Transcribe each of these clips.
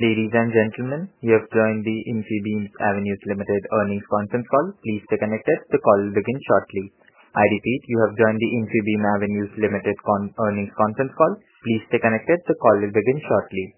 Ladies and gentlemen, you have joined the Infibeam Avenues Limited Earnings Conference Call. Please stay connected. The call will begin shortly. I repeat, you have joined the Infibeam Avenues Limited Earnings Conference Call. Please stay connected. The call will begin shortly.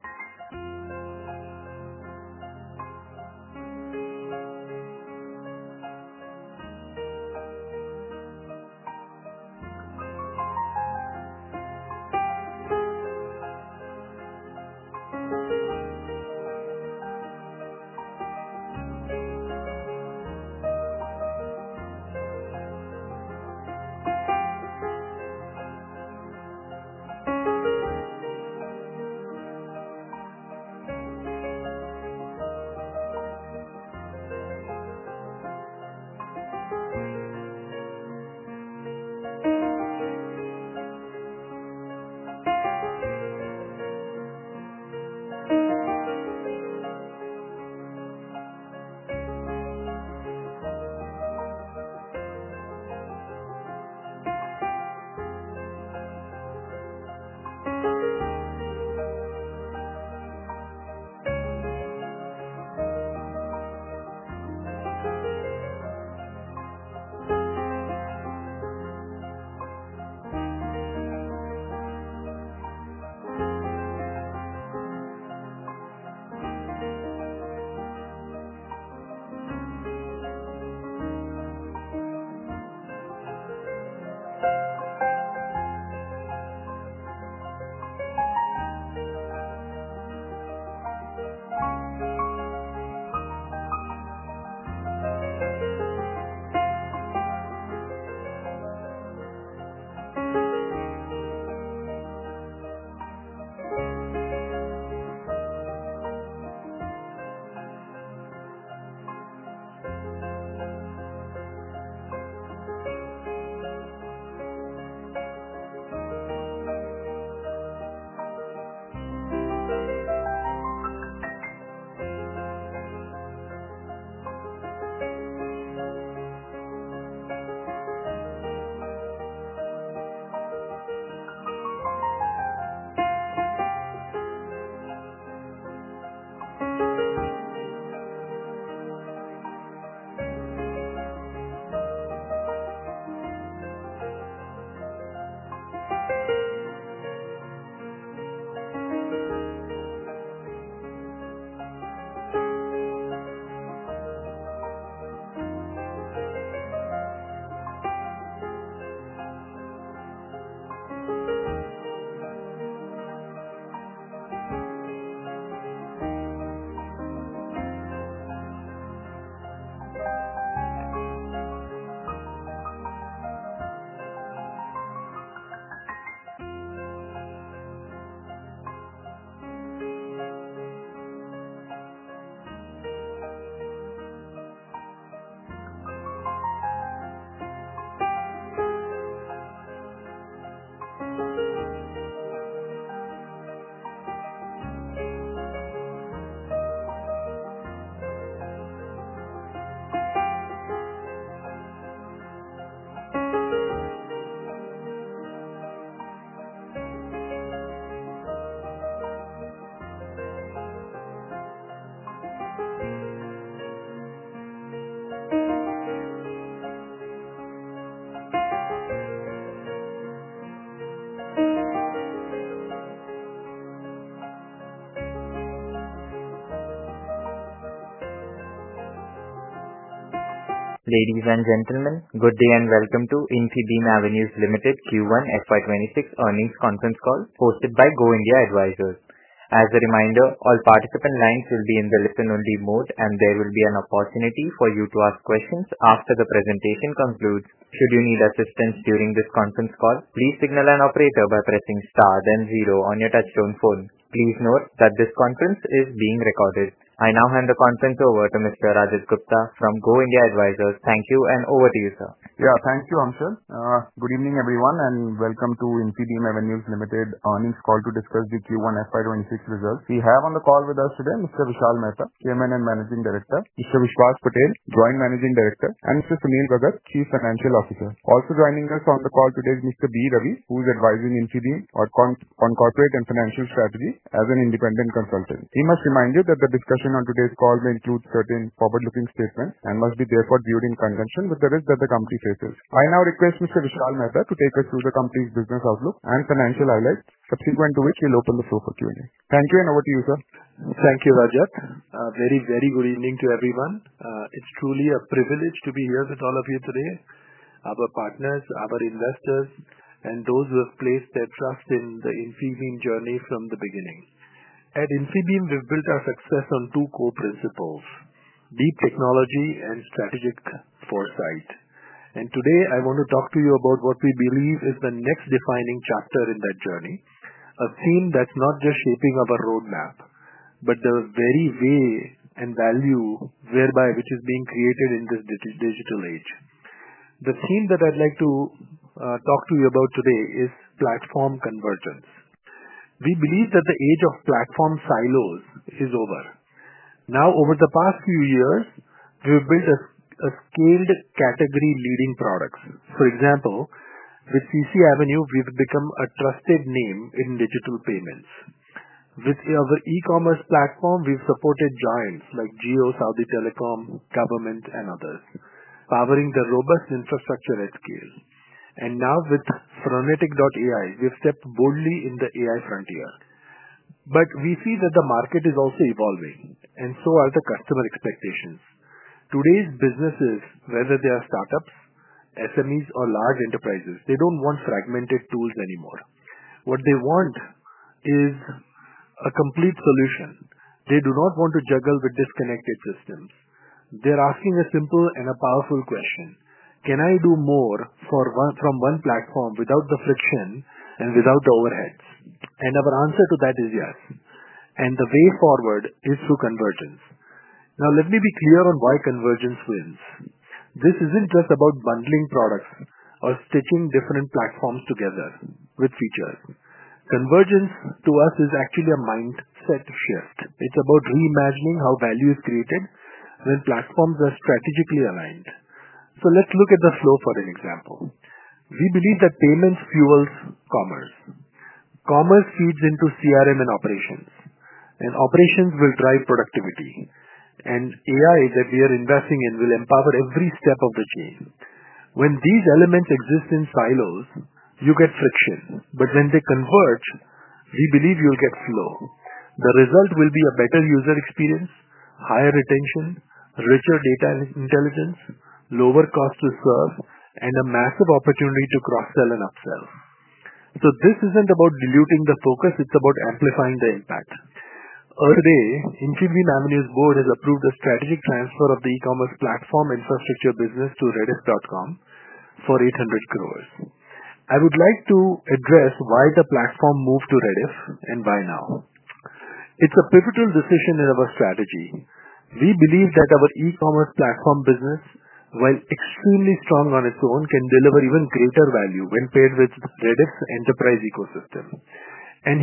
Ladies and gentlemen, good day and welcome to Infibeam Avenues Limited Q1 FY 2026 Earnings Conference Call hosted by Go India Advisors. As a reminder, all participant lines will be in the listen-only mode, and there will be an opportunity for you to ask questions after the presentation concludes. Should you need assistance during this conference call, please signal an operator by pressing star, then zero on your touchtone phone. Please note that this conference is being recorded. I now hand the conference over to Mr. Rajat Gupta from Go India Advisors. Thank you and over to you, sir. Yeah, thank you, Amshad. Good evening, everyone, and welcome to Infibeam Avenues Limited Earnings Call to discuss the Q1 FY 2026 Results. We have on the call with us today Mr. Vishal Mehta, Managing Director; Mr. Vishwas Patel, Joint Managing Director; and Mr. Sunil Bhagat, Chief Financial Officer. Also joining us on the call today is Mr. B. Ravi, who is advising Infibeam on corporate and financial strategy as an independent consultant. I must remind you that the discussion on today's call may include certain forward-looking statements and must be therefore viewed in conjunction with the risks that the company faces. I now request Mr. Vishal Mehta to take us through the company's business outlook and financial highlights, subsequent to which we'll open the floor for Q&A. Thank you and over to you, sir. Thank you, Rajesh. Very, very good evening to everyone. It's truly a privilege to be here with all of you today: our partners, our investors, and those who have placed their trust in the Infibeam journey from the beginning. At Infibeam, we've built our success on two core principles: deep technology and strategic foresight. Today, I want to talk to you about what we believe is the next defining chapter in that journey, a theme that's not just shaping our roadmap, but the very way and value whereby which is being created in this digital age. The theme that I'd like to talk to you about today is platform convergence. We believe that the age of platform silos is over. Over the past few years, we've built a scaled, category-leading products. For example, with CCAvenue, we've become a trusted name in digital payments. With our e-commerce platform, we've supported giants like Jio, Saudi Telecom, Government, and others, powering the robust infrastructure at scale. Now, with Phronetic.ai, we've stepped boldly in the AI frontier. We see that the market is also evolving, and so are the customer expectations. Today's businesses, whether they are startups, SMEs, or large enterprises, they don't want fragmented tools anymore. What they want is a complete solution. They do not want to juggle with disconnected systems. They're asking a simple and a powerful question: can I do more from one platform without the friction and without the overheads? Our answer to that is yes. The way forward is through convergence. Let me be clear on why convergence wins. This isn't just about bundling products or stitching different platforms together with features. Convergence, to us, is actually a mindset shift. It's about reimagining how value is created when platforms are strategically aligned. Let's look at the flow for an example. We believe that payments fuel commerce. Commerce feeds into CRM and operations, and operations will drive productivity. AI that we are investing in will empower every step of the chain. When these elements exist in silos, you get friction. When they converge, we believe you'll get flow. The result will be a better user experience, higher retention, richer data and intelligence, lower cost to serve, and a massive opportunity to cross-sell and upsell. This isn't about diluting the focus; it's about amplifying the impact. Earlier today, Infibeam Avenues Board has approved a strategic transfer of the e-commerce platform infrastructure business to for 800 crore. I would like to address why the platform moved to Rediff and why now. It's a pivotal decision in our strategy. We believe that our e-commerce platform business, while extremely strong on its own, can deliver even greater value when paired with Rediff's enterprise ecosystem.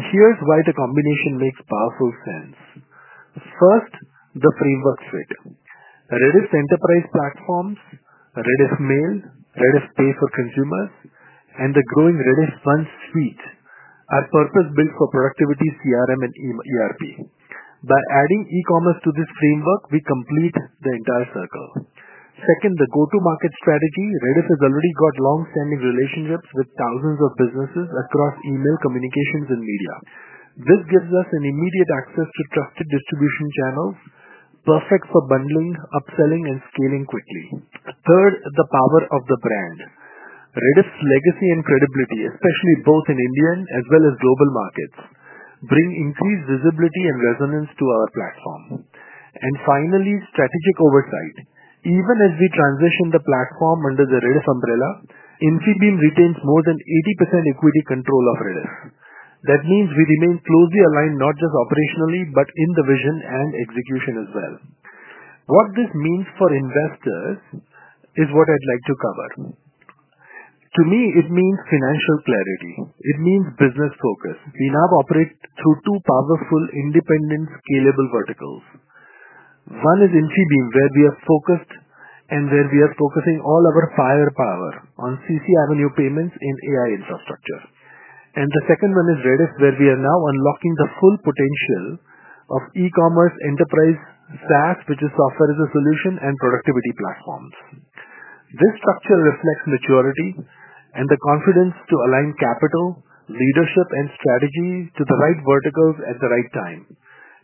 Here's why the combination makes powerful forms. First, the frameworks: Rediff's Enterprise platforms, Rediffmail, RediffPay for consumers, and the growing Rediff Funds suite are purpose-built for productivity, CRM, and ERP. By adding e-commerce to this framework, we complete the entire circle. Second, the go-to-market strategy. Rediff has already got long-standing relationships with thousands of businesses across email, communications, and media. This gives us immediate access to trusted distribution channels, perfect for bundling, upselling, and scaling quickly. Third, the power of the brand. Rediff's legacy and credibility, especially both in Indian as well as global markets, bring increased visibility and resonance to our platform. Finally, strategic oversight. Even as we transition the platform under the Rediff umbrella, Infibeam retains more than 80% equity control of Rediff. That means we remain closely aligned not just operationally, but in the vision and execution as well. What this means for investors is what I'd like to cover. To me, it means financial clarity. It means business focus. We now operate through two powerful, independent, scalable verticals. One is Infibeam, where we are focused and where we are focusing all our firepower on CCAvenue payments in AI infrastructure. The second one is Rediff, where we are now unlocking the full potential of e-commerce, enterprise, SaaS, which is software as a solution, and productivity platforms. This structure reflects maturity and the confidence to align capital, leadership, and strategy to the right verticals at the right time.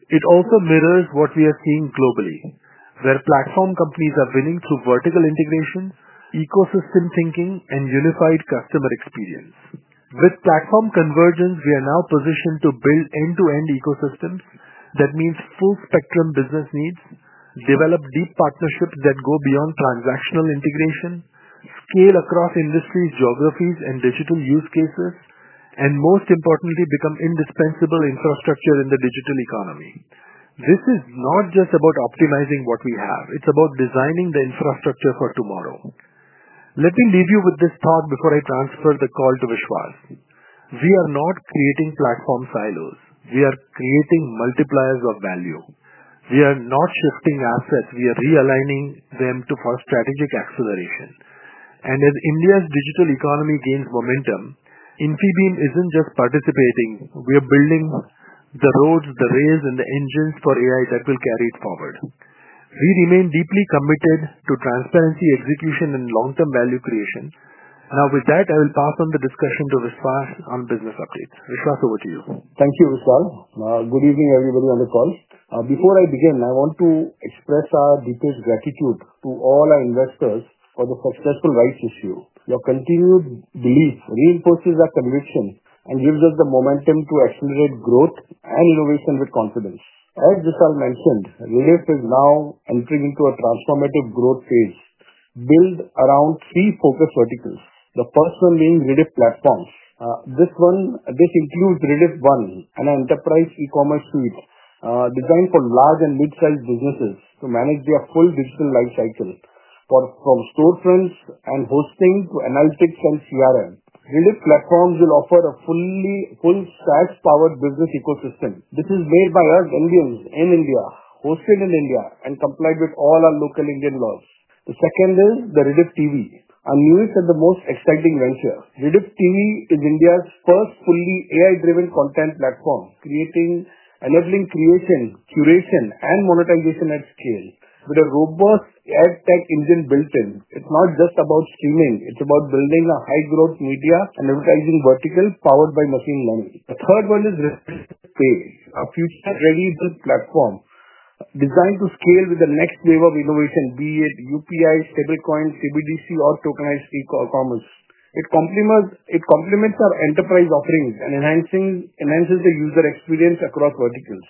It also mirrors what we are seeing globally, where platform companies are winning through vertical integration, ecosystem thinking, and unified customer experience. With platform convergence, we are now positioned to build end-to-end ecosystems that meet full-spectrum business needs, develop deep partnerships that go beyond transactional integration, scale across industries, geographies, and digital use cases, and most importantly, become indispensable infrastructure in the digital economy. This is not just about optimizing what we have; it's about designing the infrastructure for tomorrow. Let me leave you with this thought before I transfer the call to Vishwas. We are not creating platform silos. We are creating multipliers of value. We are not shifting assets. We are realigning them for strategic acceleration. As India's digital economy gains momentum, Infibeam isn't just participating; we are building the roads, the rails, and the engines for AI that will carry it forward. We remain deeply committed to transparency, execution, and long-term value creation. With that, I will pass on the discussion to Vishwas on business updates. Vishwas, over to you. Thank you, Vishal. Good evening, everybody, on the call. Before I begin, I want to express our deepest gratitude to all our investors for the successful rise to ship. Your continued belief reinforces our conviction and gives us the momentum to accelerate growth and innovation with confidence. As Vishal mentioned, Rediff is now entering into a transformative growth phase, built around three focus verticals, the first one being Rediff platforms. This includes RediffOne, an enterprise e-commerce suite designed for large and mid-sized businesses to manage their full digital lifecycle, from storefronts and hosting to analytics and CRM. Rediff platforms will offer a fully SaaS-powered business ecosystem. This is led by our own teams in India, hosted in India, and complied with all our local Indian laws. The second is Rediff-TV, our newest and most exciting venture. Rediff-TV is India's first fully AI-driven content platform, enabling creation, curation, and monetization at scale with a robust edge tech engine built in. It's not just about streaming; it's about building a high-growth media and advertising vertical powered by machine learning. The third one is RediffPay, a future-ready platform designed to scale with the next wave of innovation, be it UPI, stablecoin, CBDC, or tokenized e-commerce. It complements our enterprise offerings and enhances the user experience across verticals.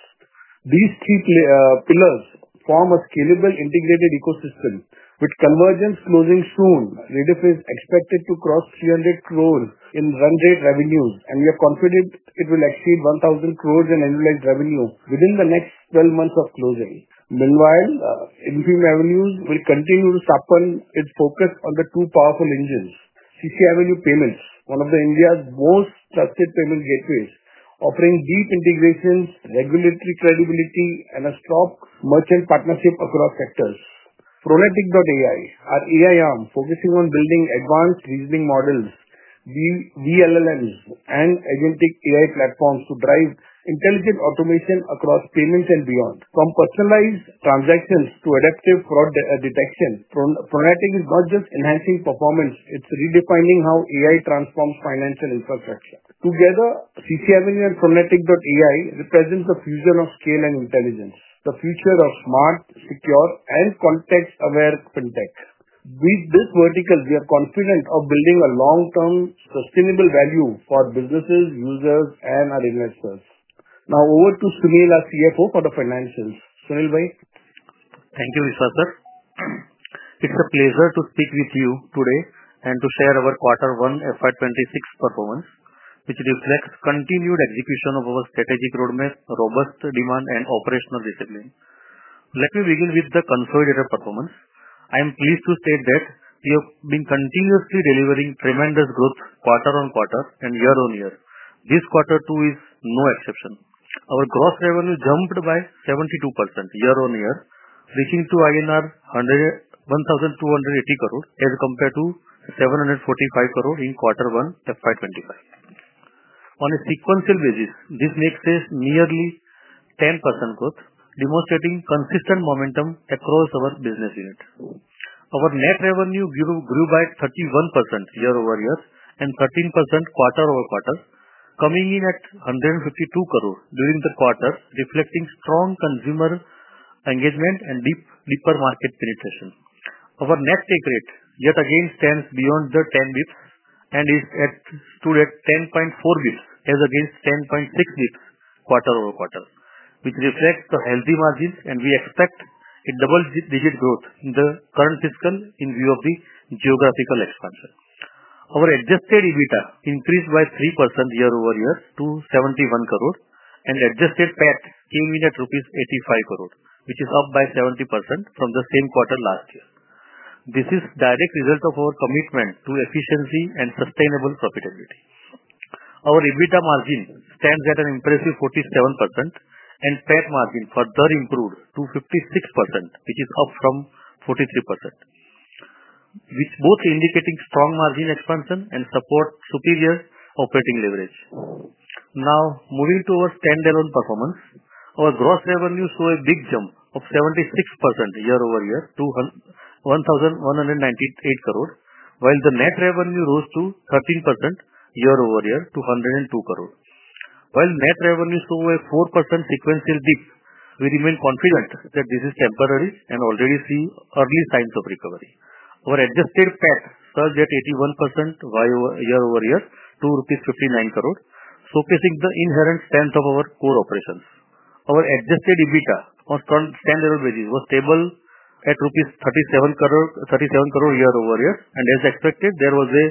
These three pillars form a scalable, integrated ecosystem. With convergence closing soon, Rediff is expected to cross 300 crore in run-rate revenue, and we are confident it will achieve 1,000 crore in annualized revenue within the next 12 months of closing. Meanwhile, Infibeam Avenues will continue to supplement its focus on the two powerful engines, CCAvenue Payments, one of India's most trusted payment gateways, offering deep integrations, regulatory credibility, and a strong merchant partnership across sectors. Phronetic.ai, our AI arm, focusing on building advanced reasoning models, DLLMs, and agentic AI platforms to drive intelligent automation across payment and beyond. From personalized transactions to adaptive fraud detection, Phronetic.ai is not just enhancing performance, it's redefining how AI transforms finance and infrastructure. Together, CCAvenue and Phronetic.ai represent a fusion of scale and intelligence, the future of smart, secure, and context-aware fintech. With this vertical, we are confident of building a long-term, sustainable value for businesses, users, and our investors. Now, over to Sunil, our CFO, for the financials. Sunil, why? Thank you, Vishwas. It's a pleasure to speak with you today and to share our FY 2026 performance, which reflects continued execution of our strategic roadmap, robust demand, and operational discipline. Let me begin with the consolidated performance. I am pleased to state that we have been continuously delivering tremendous growth quarter on quarter and year-on-year. This quarter too is no exception. Our gross revenue jumped by 72% year-on-year, reaching INR 1,280 crores as compared to 745 crores in Q1 FY 2025. On a sequential basis, this makes this nearly 10% growth, demonstrating consistent momentum across our business units. Our net revenue grew by 31% year-over-year and 13% quarter-over-quarter, coming in at 152 crores during the quarter, reflecting strong consumer engagement and deeper market penetration. Our net take rate yet again stands beyond the 10 bps and is at 10.4 bps as against 10.6 bps quarter-over-quarter, which reflects the healthy margins, and we expect a double-digit growth in the current fiscal year in view of the geographical expansion. Our adjusted EBITDA increased by 3% year-over-year to 71 crores and adjusted PAT came in at rupees 85 crores, which is up by 70% from the same quarter last year. This is a direct result of our commitment to efficiency and sustainable profitability. Our EBITDA margin stands at an impressive 47% and PAT margin further improved to 56%, which is up from 43%, both indicating strong margin expansion and support superior operating leverage. Now, moving to our standalone performance, our gross revenue saw a deep jump of 76% year-over-year to 1,198 crores, while the net revenue rose to 13% year-over-year to 102 crores. While net revenue saw a 4% sequential dip, we remain confident that this is temporary and already seeing early signs of recovery. Our adjusted PAT surged at 81% year-over-year to 59 crores, showcasing the inherent strength of our core operations. Our adjusted EBITDA on standalone basis was stable at rupees 37 crores year-over-year, and as expected, there was a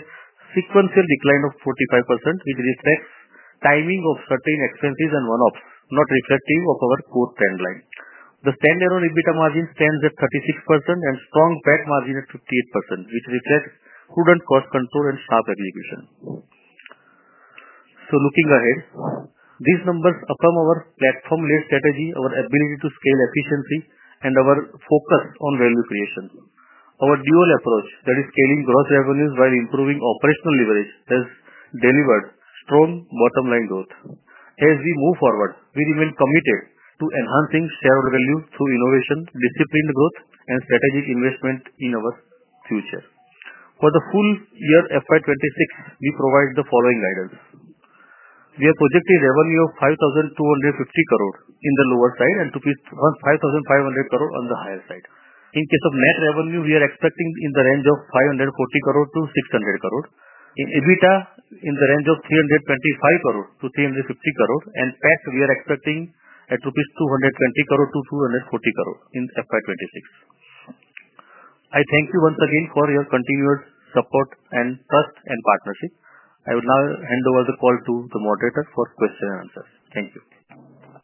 sequential decline of 45%, which reflects timing of certain expenses and one-offs, not reflective of our core trend line. The standalone EBITDA margin stands at 36% and strong PAT margin at 58%, which reflects prudent cost control and sharp execution. Looking ahead, these numbers affirm our platform-led strategy, our ability to scale efficiency, and our focus on value creation. Our dual approach, that is scaling gross revenues while improving operational leverage, has delivered strong bottom-line growth. As we move forward, we remain committed to enhancing shareholder value through innovation, disciplined growth, and strategic investment in our future. For the whole year FY 2026, we provide the following guidance. We are projecting revenue of 5,250 crore on the lower side and to be around 5,500 crore on the higher side. In case of net revenue, we are expecting in the range of 540 crore to 600 crore. In EBITDA, in the range of 325 crore-350 crore, and PAT, we are expecting at 220 crore-240 crore rupees in FY 2026. I thank you once again for your continued support and trust and partnership. I will now hand over the call to the moderator for question and answers. Thank you.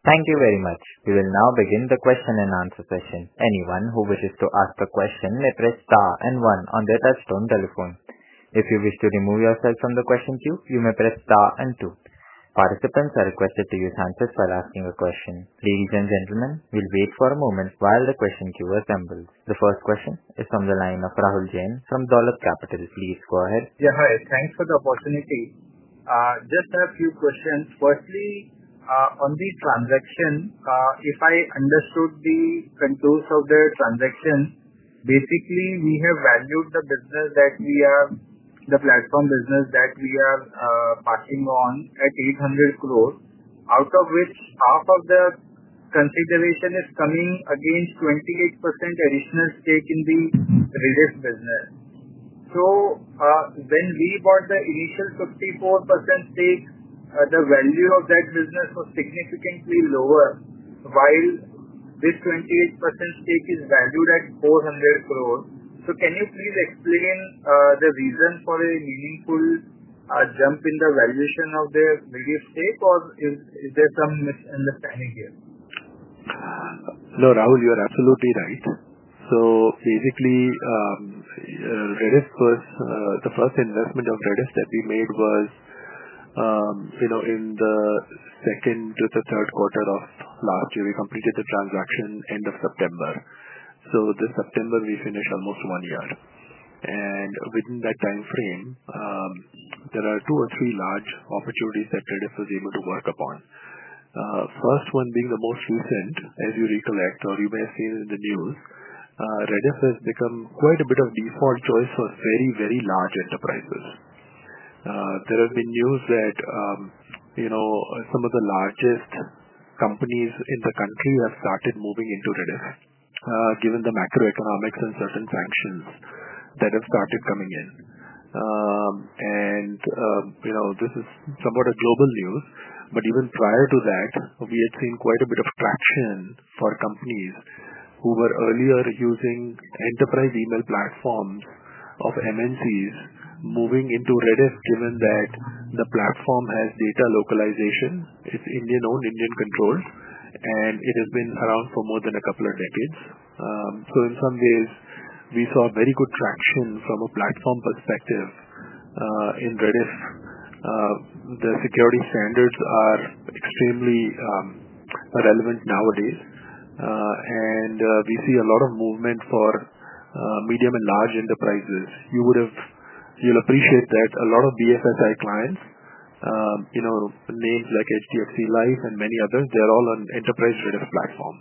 Thank you very much. We will now begin the question-and-answer session. Anyone who wishes to ask a question may press star and one on their touchstone telephone. If you wish to remove yourself from the question queue, you may press star and two. Participants are requested to use handsets while asking a question. Ladies and gentlemen, we'll wait for a moment while the question queue assembles. The first question is from the line of Rahul Jain from Dolat Capitals. Please go ahead. Yeah, hi. Thanks for the opportunity. Just a few questions. Firstly, on the transaction, if I understood the contours of the transaction, basically, we have valued the business that we have, the platform business that we are partnering on at 800 crore, out of which half of the consideration is coming against 28% additional stake in the Rediff.com business. When we bought the initial 54% stake, the value of that business was significantly lower, while this 28% stake is valued at 400 crore. Can you please explain the reason for a meaningful jump in the valuation of the Rediff.com stake, or is there some misunderstanding here? No, Rahul, you're absolutely right. Basically, the first investment of Rediff that we made was in the second to the third quarter of last year. We completed the transaction end of September. This September, we finished almost one year. Within that time frame, there are two or three large opportunities that Rediff was able to work upon. The first one being the most recent, as you recollect or you may have seen in the news, Rediff has become quite a bit of a default choice for very, very large enterprises. There have been news that some of the largest companies in the country have started moving into Rediff, given the macroeconomics and certain sanctions that have started coming in. This is somewhat a global news. Even prior to that, we had seen quite a bit of traction for companies who were earlier using enterprise email platforms of MNCs moving into Rediff, given that the platform has data localization, it's Indian-owned, Indian-controlled, and it has been around for more than a couple of decades. In some ways, we saw very good traction from a platform perspective in Rediff. The security standards are extremely relevant nowadays, and we see a lot of movement for medium and large enterprises. You'll appreciate that a lot of BFSI clients, names like HDFC Life and many others, they're all on enterprise Rediff platform.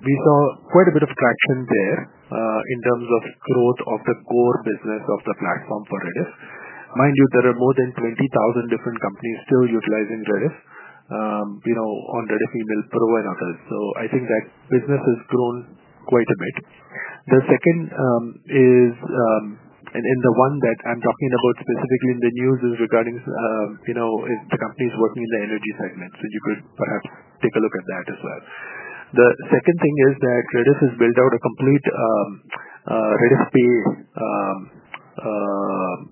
We saw quite a bit of traction there in terms of growth of the core business of the platform for Rediff. Mind you, there are more than 20,000 different companies still utilizing Rediff on Rediff E-mail Pro and others. I think that business has grown quite a bit. The second is, and the one that I'm talking about specifically in the news, is regarding the companies working in the energy segment. You could perhaps take a look at that as well. The second thing is that Rediff has built out a complete RediffPay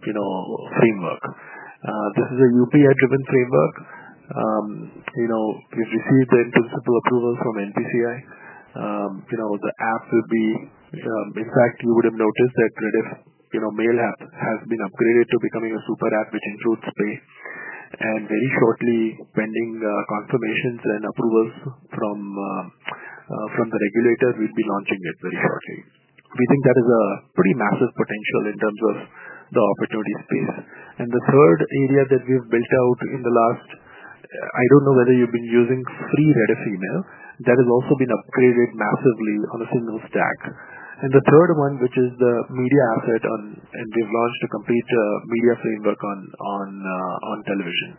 framework. This is a UPI-driven framework. We've received end-user approvals from NPCI. The app would be, in fact, you would have noticed that Rediffmail has been upgraded to becoming a super app within [Root to Pay]. Very shortly, pending confirmations and approvals from the regulator, we'll be launching this very shortly. We think that is a pretty massive potential in terms of the opportunity space. The third area that we've built out in the last, I don't know whether you've been using free Rediffmail. That has also been upgraded massively on a single stack. The third one, which is the media asset, they've launched a complete media framework on television.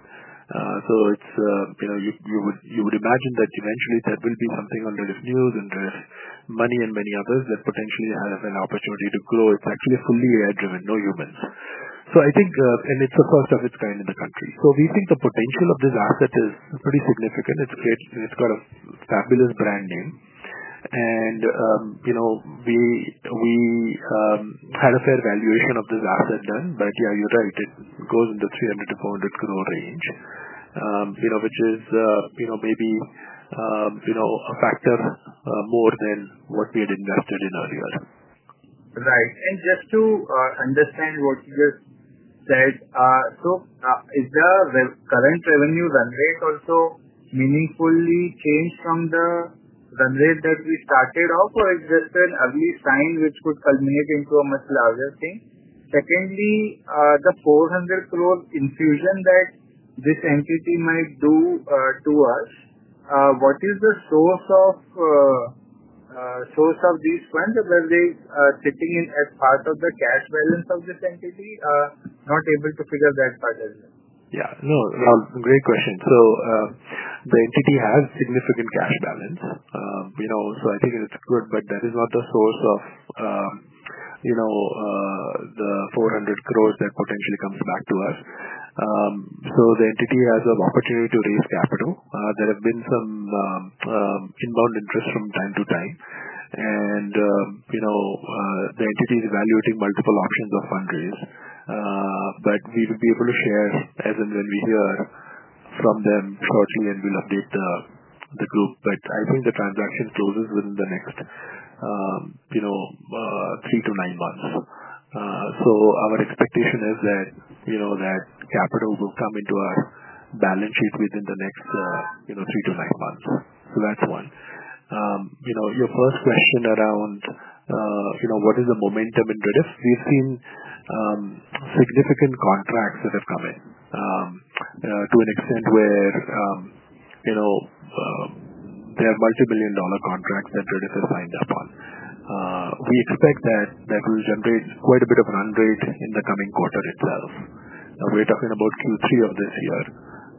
You would imagine that eventually that will be something on the news and the money and many others that potentially have an opportunity to grow. It's actually fully AI-driven, no human. I think it's a first of its kind in the country. We think the potential of this asset is pretty significant. It's great. It's got a fabulous brand name. We had a fair valuation of this asset done, but yeah, you're right. It goes in the 300 crore-400 crore range, which is maybe a factor more than what we had invested in earlier. Right. Just to understand what you just said, is the current revenue run rate also meaningfully changed from the run rate that we started off, or is there an ugly sign which could culminate into a much larger thing? Secondly, the 400 crore infusion that this entity might do to us, what is the source of these funds? Were they taking it as part of the cash balance of this entity? I'm not able to figure that part out yet. Yeah, no, great question. The entity has significant cash balance, you know, so I think it's good, but that is not the source of, you know, the 400 crores that potentially comes back to us. The entity has an opportunity to raise capital. There has been some inbound interest from time to time, and the entity is evaluating multiple options of fundraising. We will be able to share as and when we hear from them shortly, and we'll update the group. I think the transaction closes within the next, you know, three to nine months. Our expectation is that capital will come into our balance sheet within the next three to nine months. That's one. Your first question around, you know, what is the momentum in Rediff? We've seen significant contracts that have come in to an extent where there are multi-million dollar contracts that Rediff has signed up on. We expect that will generate quite a bit of run rate in the coming quarter itself. We're talking about Q3 of this year,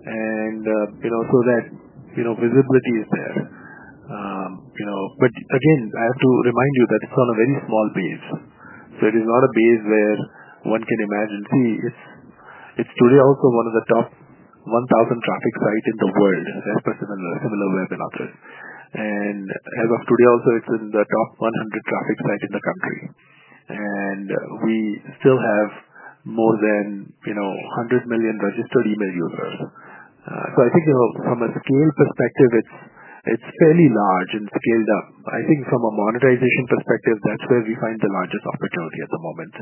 and that visibility is there. Again, I have to remind you that it's on a very small base. It is not a base where one can imagine. See, it's today also one of the top 1,000 traffic sites in the world, and 10% on local and local web and others. As of today, also, it's in the top 100 traffic sites in the country, and we still have more than 100 million registered email users. I think from a material perspective, it's fairly large and scaled up. I think from a monetization perspective, that's where we find the largest opportunity at the moment.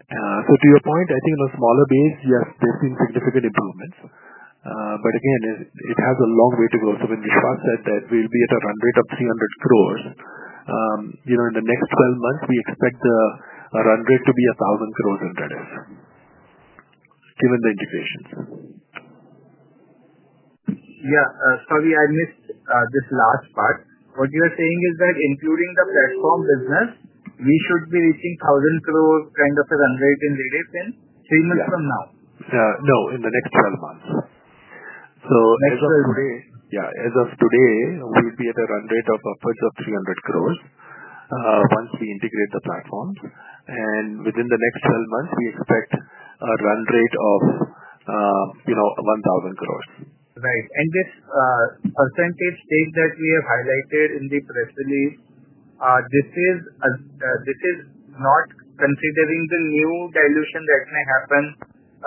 To your point, I think in a smaller base, yes, we have seen significant improvements. Again, it has a long way to go. When we shot that, that we'll be at a run rate of 300 crores in the next 12 months, we expect the run rate to be 1,000 crores in Rediff given the integrations. Sorry, I missed this last part. What you're saying is that including the platform business, we should be reaching 1,000 crore kind of a run rate in Rediff in three months from now? In the next 12 months, as of today, we'll be at a run rate of upwards of 300 crore once we integrate the platform. Within the next 12 months, we expect a run rate of 1,000 crore. Right. This percentage state that we have highlighted in the question is not considering the new dilution that may happen,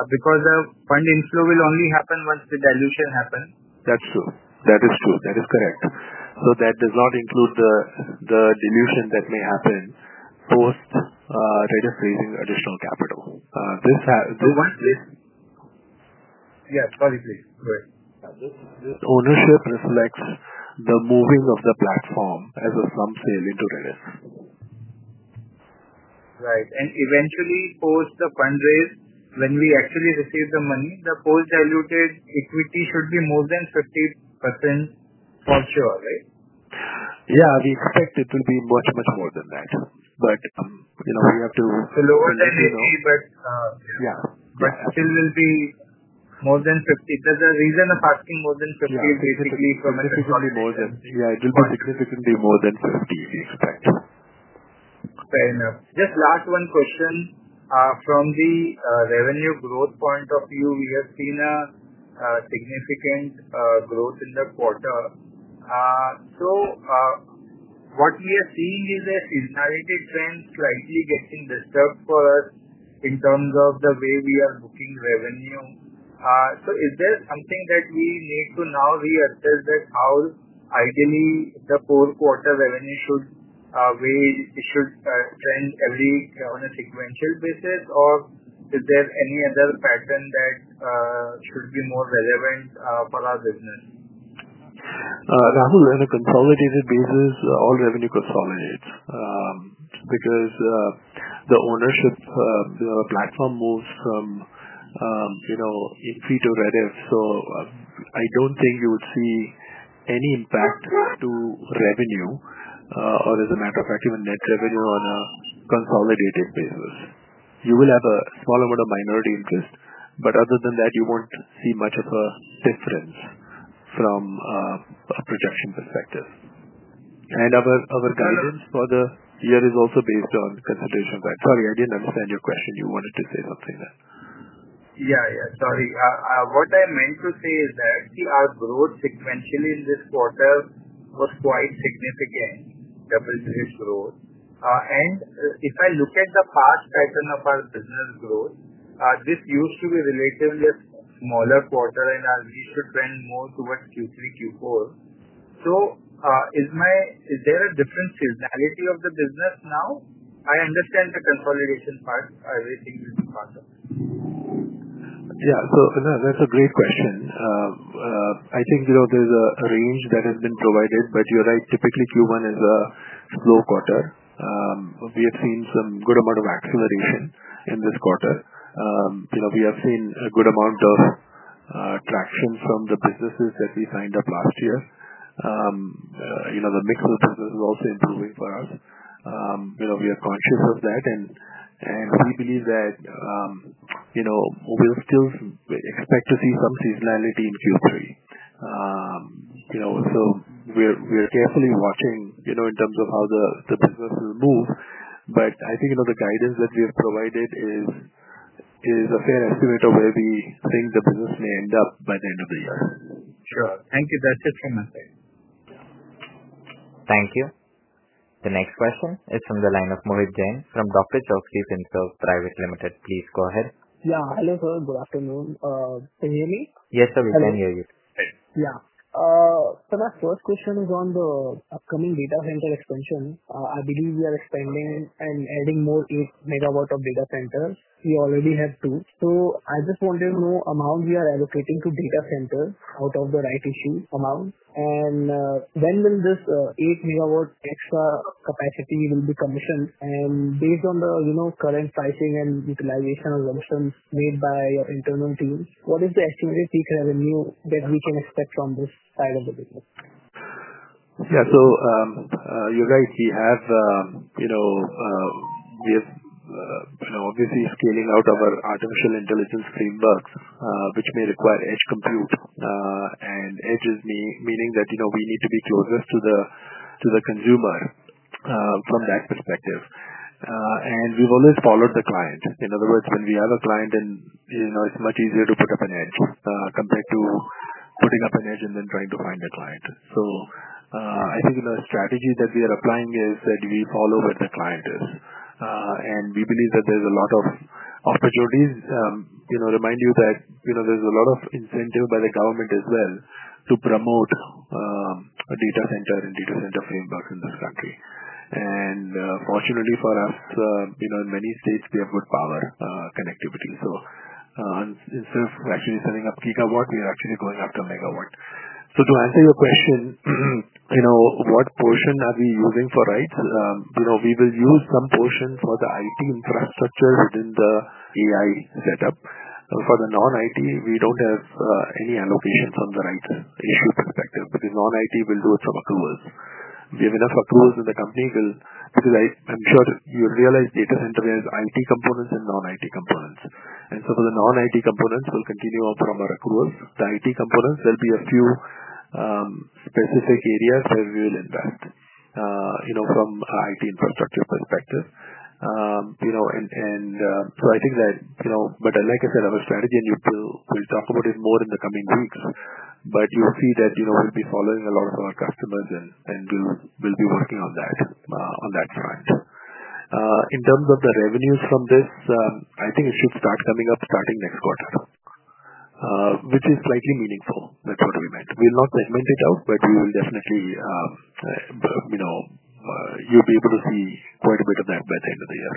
because the funding flow will only happen once the dilution happens? That's true. That is true. That is correct. That does not include the dilution that may happen post Rediff raising additional capital. This has, so once this. Yes, correctly. This ownership reflects the moving of the platform as of some sale into Rediff. Right. Eventually, post the fundraise, when we actually receive the money, the post-diluted equity should be more than 50% for sure, right? Yeah, we expect it to be much, much more than that. You know, we have to. Hello, is that 50%? Yeah. It still will be more than 50%. The reason of asking more than 50% is basically for me. If it's only more than, yeah, it will not decrease, it will be more than 50%, we expect. Fair enough. Just last one question. From the revenue growth point of view, we have seen a significant growth in the quarter. What we are seeing is a synthetic trend slightly getting disturbed for us in terms of the way we are looking at revenue. Is there something that we need to now reassess that ideally, the four-quarter revenue should trend every on a sequential basis, or is there any other pattern that should be more relevant for our business? Rahul, on a consolidated basis, all revenue consolidates because the ownership, you know, the platform moves from, you know, Infibeam to Rediff. I don't think you would see any impact to revenue, or as a matter of fact, even net revenue on a consolidated basis. You will have a small amount of minority interest, but other than that, you won't see much of a difference from a projection perspective. Our guidance for the year is also based on consideration of that. Sorry, I didn't understand your question. You wanted to say something there. Yeah, sorry. What I meant to say is that, see, our growth sequentially in this quarter was quite significant, double-zero show. If I look at the past pattern of our business growth, this used to be a relatively smaller quarter, and now we should trend more towards Q3, Q4. Is there a different similarity of the business now? I understand the consolidation parts are very similar to the quarter. Yeah, that's a great question. I think there's a range that has been provided, but you're right. Typically, Q1 is a slow quarter. We have seen some good amount of acceleration in this quarter. We have seen a good amount of traction from the businesses that we signed up last year. The mix of businesses is also improving for us. We are conscious of that, and we believe that we'll still expect to see some seasonality in Q3. We're carefully watching in terms of how the business will move. I think the guidance that we have provided is a fair estimate of where we think the business may end up by the end of the year. Sure. Thank you. That's it for now. Thank you. The next question is from the line of [Moritz Jain from DRChoksey Finserv Pvt Ltd. Please go ahead. Yeah, hello, sir. Good afternoon. Can you hear me? Yes, sir, we can hear you. Yeah, my first question is on the upcoming data center expansion. I believe we are expanding and adding more 8 megawatts of data centers. We already have two. I just wanted to know the amount we are allocating to data centers out of the RICC amount. When will this 8 MW extra capacity be commissioned? Based on the current pricing and utilization of the systems made by your internal team, what is the estimated peak revenue that we can expect from this side of the business? Yeah, you're right. We have obviously been scaling out our artificial intelligence frameworks, which may require edge compute, and edge is meaning that we need to be closest to the consumer from that perspective. We've always followed the client. In other words, when we have a client, it's much easier to put up an edge compared to putting up an edge and then trying to find a client. I think a strategy that we are applying is that we follow where the client is. We believe that there's a lot of opportunities. Remind you that there's a lot of incentive by the government as well to promote a data center and data center frameworks in this country. Fortunately for us, in many states, we have good power connectivity. Instead of actually setting up gigawatt, we are actually going up to megawatt. To answer your question, what portion are we using for, right? We will use some portion for the IT infrastructure within the AI setup. For the non-IT, we don't have any allocations from the rights issue perspective because non-IT will do it from approvals. Given us approvals in the company, because I'm sure you realize data center has IT components and non-IT components. For the non-IT components, we'll continue on from our approvals. The IT components, there'll be a few specific areas where we'll invest from an IT infrastructure perspective. I think that, like I said, our strategy, and we'll talk about it more in the coming weeks, but you'll see that we'll be following along for our customers and we'll be working on that front. In terms of the revenues from this, I think it should start coming up starting next quarter, which is slightly meaningful next quarter. You'll be able to see quite a bit of that by the end of the year.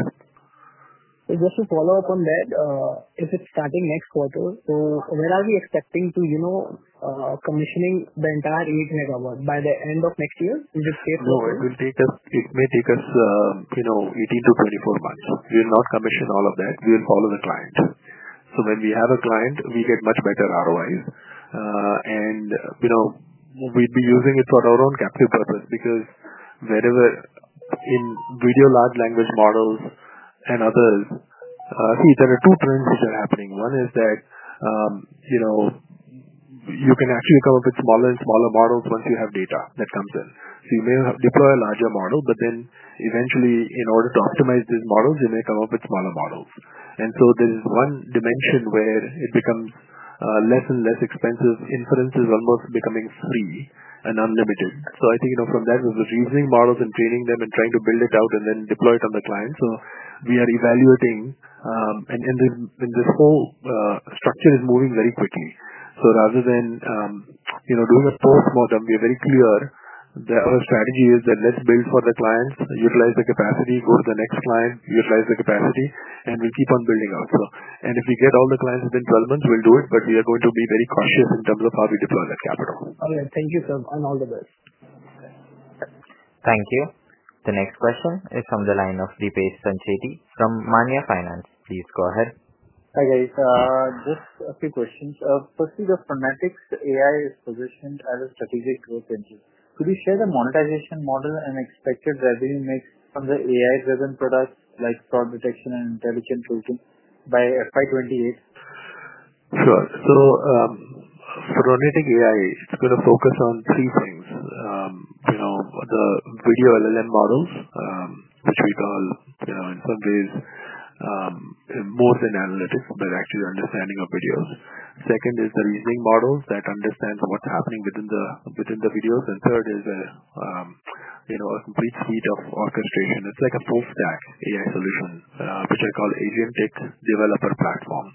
Just to follow up on that, if it's starting next quarter, where are we expecting to, you know, commission the entire 8 MW by the end of next year? Is it safe? No, it will take us, it may take us, you know, 18 months-24 months. We'll not commission all of that. We'll follow the client. When we have a client, we get much better ROIs, and, you know, we'll be using it for our own captive purpose because wherever in video large language models and others, see, there are two trends that are happening. One is that, you know, you can actually come up with smaller and smaller models once you have data that comes in. You may have to deploy a larger model, but then eventually, in order to optimize these models, you may come up with smaller models. There's one dimension where it becomes less and less expensive. Inference is almost becoming free and unlimited. I think, you know, from that, we're just using models and training them and trying to build it out and then deploy it on the client. We are evaluating, and this whole structure is moving very quickly. Rather than, you know, doing a fourth model, we are very clear that our strategy is that let's build for the clients, utilize the capacity, go to the next client, utilize the capacity, and we'll keep on building out. If we get all the clients within 12 months, we'll do it, but we are going to be very cautious in terms of how we deploy the capital. Thank you, sir, and all the best. Thank you. The next question is from the line of Deepesh Sancheti from Maanya Finance. Please go ahead. Hi, guys. Just a few questions. Firstly, the Phronetic.ai is positioned as a strategic growth engine. Could you share the monetization model and expected revenue mix from the AI-driven products like fraud detection and intelligent solution by FY 2028? Sure. Phronetic.AI is going to focus on three things. You know, the video LLM models, which we call, in some ways, more than analytical, but they're actually understanding of video. Second is the reasoning models that understand what's happening within the videos. Third is a complete suite of orchestrating. It's like a full stack AI solution, which I call Agentic developer platform.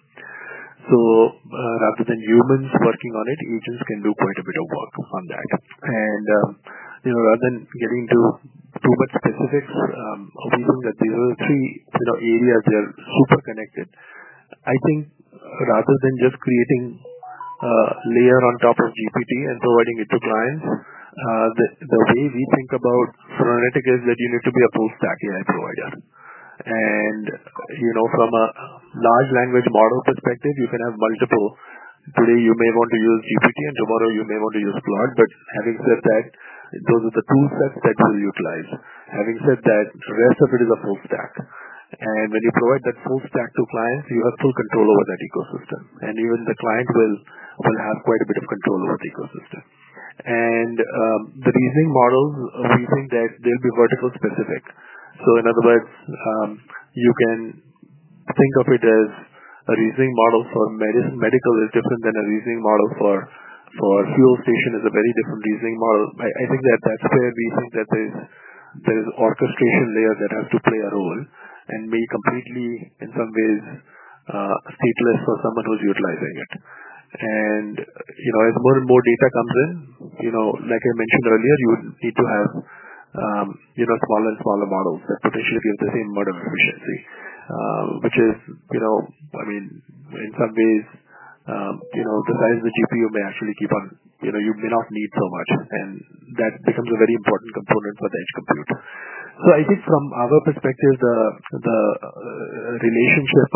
Rather than humans working on it, agents can do quite a bit of work on that. Rather than getting into too much specific, I think rather than just creating a layer on top of GPT and providing it to clients, the way we think about Phronetic.AI is that you need to be a full stack AI provider. From a large language model perspective, you can have multiple. Today, you may want to use GPT, and tomorrow you may want to use Claude. Having said that, those are the toolsets that we'll utilize. The rest of it is a full stack. When you provide that full stack to clients, you have full control over that ecosystem. Even the client will have quite a bit of control over the ecosystem. The reasoning models, reasoning decks, they'll be vertical specific. In other words, you can think of it as a reasoning model for medicine, medical is different than a reasoning model for fuel station, is a very different reasoning model. I think that that's where we think that there is an orchestration layer that has to play a role and may completely, in some ways, stake less for someone who's utilizing it. As more and more data comes in, like I mentioned earlier, you would need to have smaller and smaller models that potentially be at the same model frequency, which is, I mean, in some ways, the size of the GPU may actually keep on, you may not need so much. That becomes a very important component for the edge compute. I think from our perspective, the relationship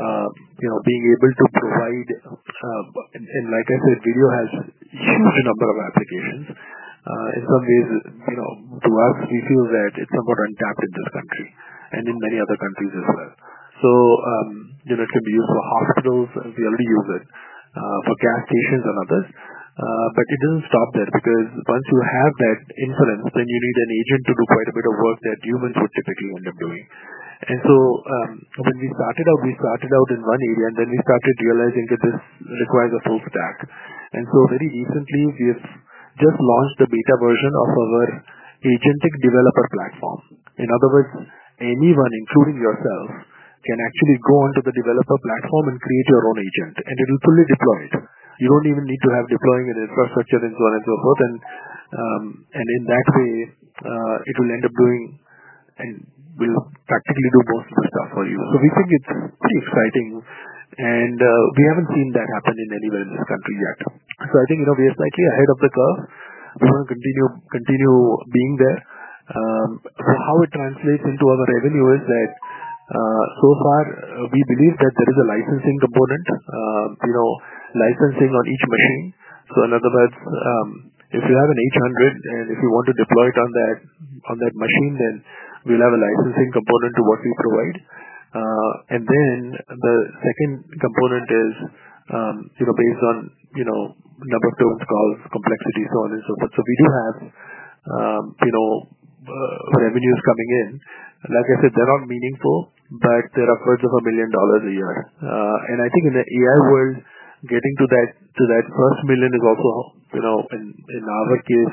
of being able to provide, and like I said, video has a huge number of applications. In some ways, to have GPUs that it's somewhat untapped in this country and in many other countries as well. It can be used for hospitals. We already use it for gas stations and others. It doesn't stop there because once you have that inference, then you need an agent to do quite a bit of work that humans would typically end up doing. When we started out, we started out in one area, and then we started realizing that this requires a full stack. Very recently, we have just launched a beta version of our agentic developer platform. In other words, anyone, including yourself, can actually go onto the developer platform and create your own agent, and it will fully deploy it. You don't even need to have deploying an infrastructure and so on and so forth. In that way, it will end up doing and will practically do most of the stuff for you. We think it's pretty exciting. We haven't seen that happen anywhere in this country yet. I think we are slightly ahead of the curve. We want to continue being there. How it translates into our revenue is that, so far, we believe that there is a licensing component, licensing on each machine. In other words, if you have an 800 and if we want to deploy it on that machine, then we'll have a licensing component to what we provide. The second component is based on number of calls, complexity, so on and so forth. We do have revenues coming in. Like I said, they're not meaningful, but they're upwards of $1 million a year. I think in the AI world, getting to that first million is also, in our view,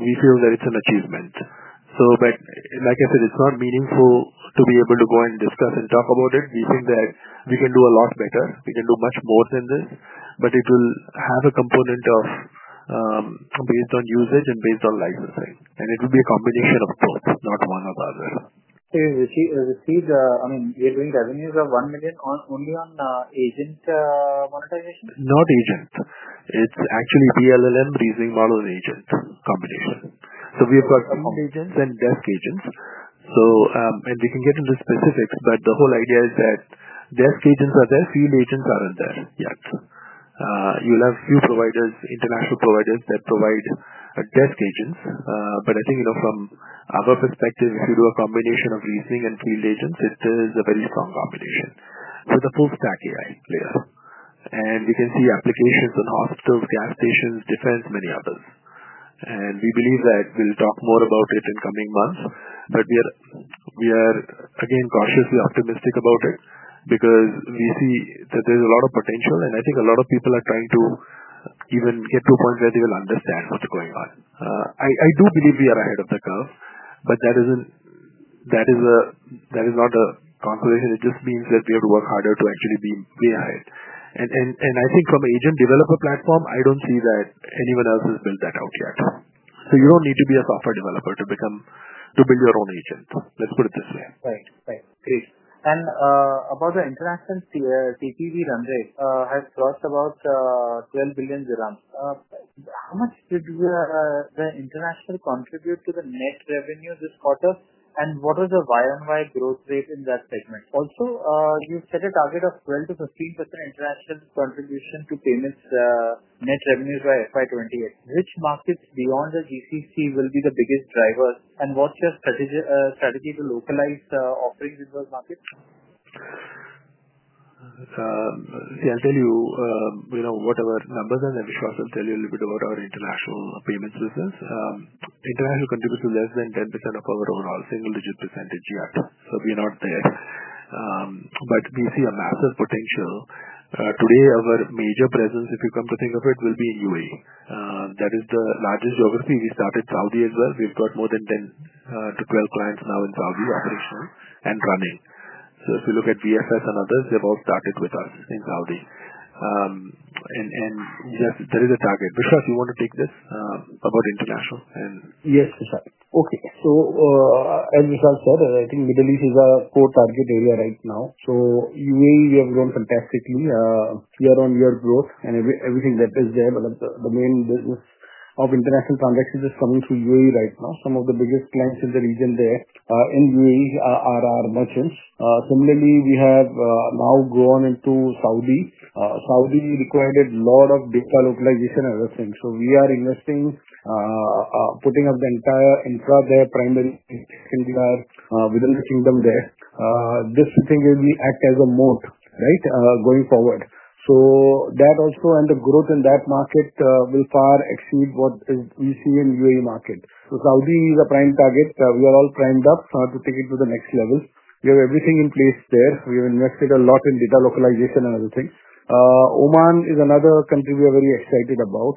we feel that it's an achievement. Like I said, it's not meaningful to be able to go and discuss and talk about it. We think that we can do a lot better. We can do much more than this, but it will have a component based on usage and based on licensing. It will be a combination of both, not one or the other. Is it still, I mean, you're doing revenues of $1 million only on agentic AI platform monetization? Not agents. It's actually DLLM, reasoning models, agent combination. We have got cloud agents and desk agents. We can get into specifics, but the whole idea is that desk agents are there. Field agents aren't there yet. You'll have a few providers, international providers that provide a desk agent. I think, you know, from our perspective, if you do a combination of reasoning and field agents, it still is a very strong competition with a full stack AI layer. We can see applications on hospitals, gas stations, defense, many others. We believe that we'll talk more about it in the coming months. We are again cautiously optimistic about it because we see that there's a lot of potential, and I think a lot of people are trying to even get to a point where they will understand what's going on. I do believe we are ahead of the curve, but that is not a conversation. It just means that we have to work harder to actually be ahead. I think from an agent developer platform, I don't see that anyone else has built that out yet. You don't need to be a software developer to build your own agent. Let's put it this way. Right, right. Please. About the international CRR TPV run rate, I've lost about 12 billion dirhams. How much did the international contribute to the net revenue this quarter? What was the YoY growth rate in that segment? You set a target of 12%-15% international contribution to payments net revenues by FY 2028. Which markets beyond the GCC will be the biggest drivers? What's your strategy to localize operating in those markets? Yeah, I'll tell you, you know, what our numbers are. I'll tell you a little bit about our international payments business. The international contributes to less than 10% of our overall single-digit percentage GAAP. We are not there, but we see a massive potential. Today, our major presence, if you come to think of it, will be in UAE. That is the largest overseas. We started Saudi as well. We've got more than 10 clients-12 clients now in Saudi operational and running. If you look at GFS and others, they've all started with us in Saudi. Yes, there is a target. Vishwas, do you want to take this, about international and? Yes, Okay. Vishal said, I think Middle East is our core target area right now. UAE, we have grown fantastically, year-on-year growth and everything that is there. The main business of international transactions is coming through UAE right now. Some of the biggest plants in the region there, in UAE, are our merchants. Similarly, we have now grown into Saudi. Saudi required a lot of data localization and other things. We are investing, putting up the entire infra there, prime and singular, within the kingdom there. This thing will act as a moat, right, going forward. That also and the growth in that market will far exceed what we see in the UAE market. Saudi is a prime target. We are all primed up to take it to the next level. We have everything in place there. We have invested a lot in data localization and other things. Oman is another country we are very excited about.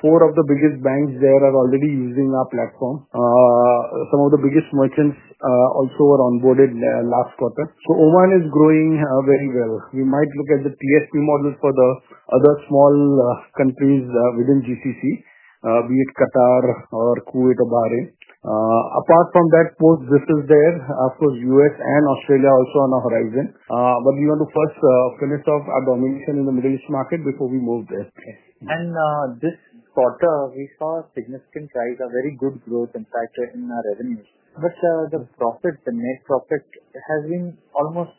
Four of the biggest banks there are already using our platform. Some of the biggest merchants also were onboarded last quarter. Oman is growing very well. We might look at the TSP models for the other small countries within GCC, be it Qatar or Kuwait or Bahrain. Apart from that, post-visas there, of course, US and Australia are also on the horizon. We want to first finish off our domination in the Middle East market before we move there. This quarter, we saw significant rise, a very good growth, in fact, in our revenues. The profit, the net profit has been almost,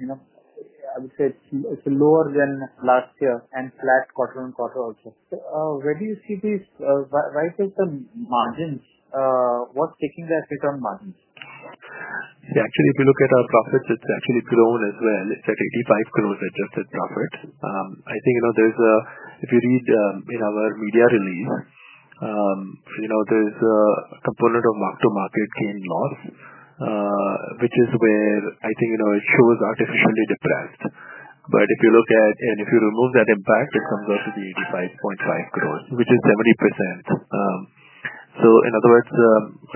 you know, I would say it's lower than last year and flat quarter on quarter also. Where do you see these, right at the margins? What's taking that hit on margins? Yeah, actually, if you look at our profits, it's actually grown as well. It's at 85 crore adjusted profit. I think, you know, if you read in our media release, you know, there's a component of mark-to-market change loss, which is where I think, you know, it shows artificially depressed. If you look at, and if you remove that impact, it comes out to be 85.5 crore, which is 70%. In other words,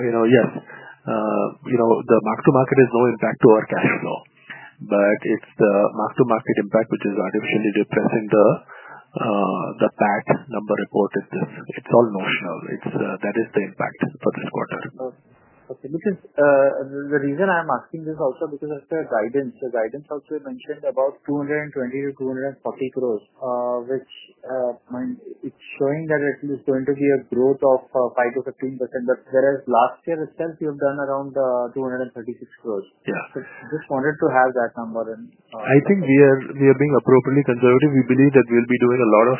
you know, yes, you know, the mark-to-market has no impact to our cash flow. It's the mark-to-market impact, which is artificially depressed in the PAC number report. It's all notional. That is the impact for this quarter. Okay. Because the reason I'm asking this also is because I still have guidance. The guidance also mentioned about 220-240 crores, which, I mean, it's showing that it's going to be a growth of 5%-15%. Whereas last year, it's still, you've done around 236 crores. Yeah. I just wanted to have that number in. I think we are being appropriately conservative. We believe that we'll be doing a lot of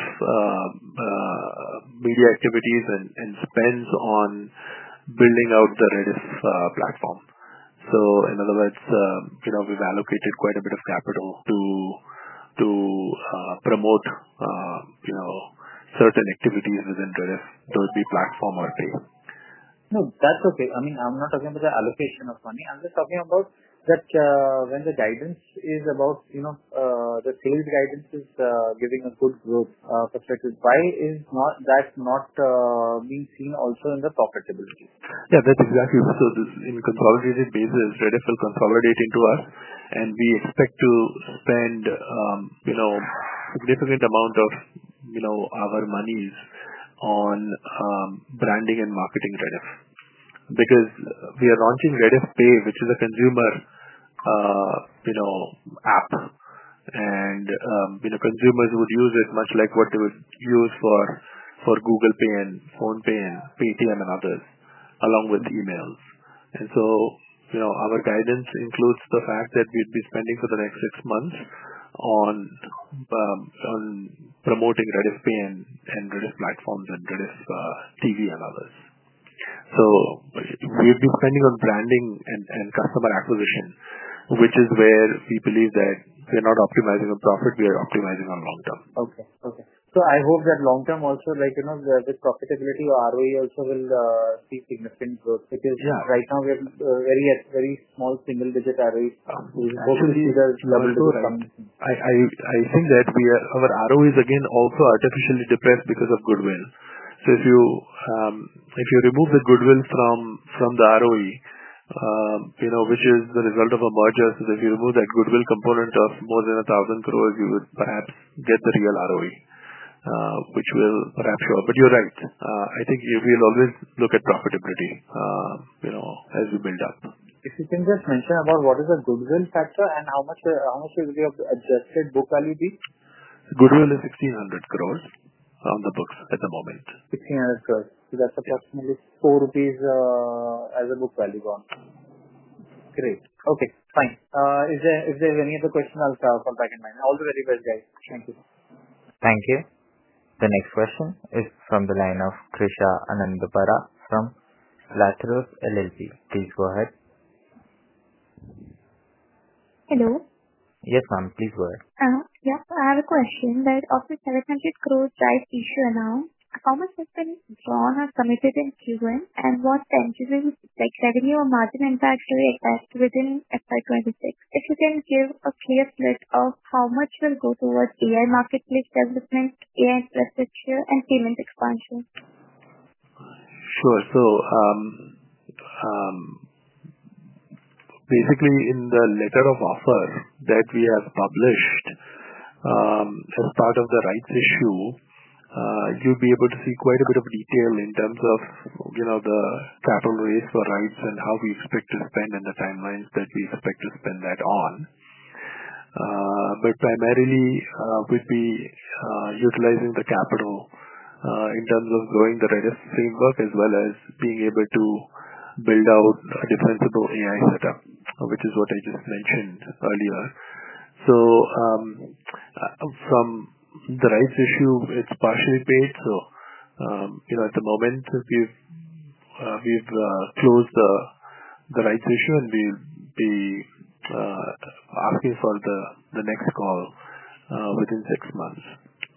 media activities and spends on building out the Rediff platform. In other words, we've allocated quite a bit of capital to promote certain activities within Rediff, though it be platform or payment. No, that's okay. I'm not talking about the allocation of money. I'm just talking about that, when the guidance is about, you know, the sales guidance is giving a good growth perspective. Why is that not being seen also in the profitability? Yeah, that's exactly. This, you know, because for our vision basis, Rediff will consolidate into us, and we expect to spend a significant amount of our money on branding and marketing Rediff because we are launching RediffPay, which is a consumer app. Consumers would use this much like what they would use for Google Pay and PhonePe and Paytm and others, along with the emails. Our guidance includes the fact that we'd be spending for the next six months on promoting RediffPay and Rediff Platforms and Rediff-TV and others. We'll be depending on branding and customer acquisition, which is where we believe that we're not optimizing on profit. We are optimizing on long term. Okay. I hope that long term also, like, you know, the profitability or ROE also will see significant growth because right now we are very, very small single-digit ROE. Both of these are going to come. I think that our ROE is also artificially depressed because of goodwill. If you remove the goodwill from the ROE, which is the result of a merger, if you remove that goodwill component of more than 1,000 crore, you would perhaps get the real ROE, which will perhaps show up. You're right. I think we'll always look at profitability as we build up. Existing, the answer about what is a goodwill factor and how much is it adjusted book value? Goodwill is 1,600 crore on the books at the moment. 1,600 crores. That's approximately 4 rupees, as a book value bound. Great. Okay. Fine. Is there any other question? I'll call back in a minute. All the very best, guys. Thank you. Thank you. The next question is from the line of [Trisha Anandabara] from Lazarus LLP. Please go ahead. Hello. Yes, ma'am. Please go ahead. Yeah. I have a question that after the 720 crore price issue announced, how much has been drawn and committed in Q1? What terms do we expect revenue or margin and actually exhaust within FY 2026? If we can give a clear split of how much will go towards AI marketplace development, AI infrastructure, and payment expansion. Sure. Basically, in the letter of offer that we have published as part of the rights issue, you'll be able to see quite a bit of detail in terms of the capital raised for rights and how we expect to spend and the timelines that we expect to spend that on. Primarily, we'd be utilizing the capital in terms of growing the Rediff framework as well as being able to build out a defensible AI setup, which is what I just mentioned earlier. From the rights issue, it's partially paid. At the moment, we've closed the rights issue, and we'll be asking for the next call within six months.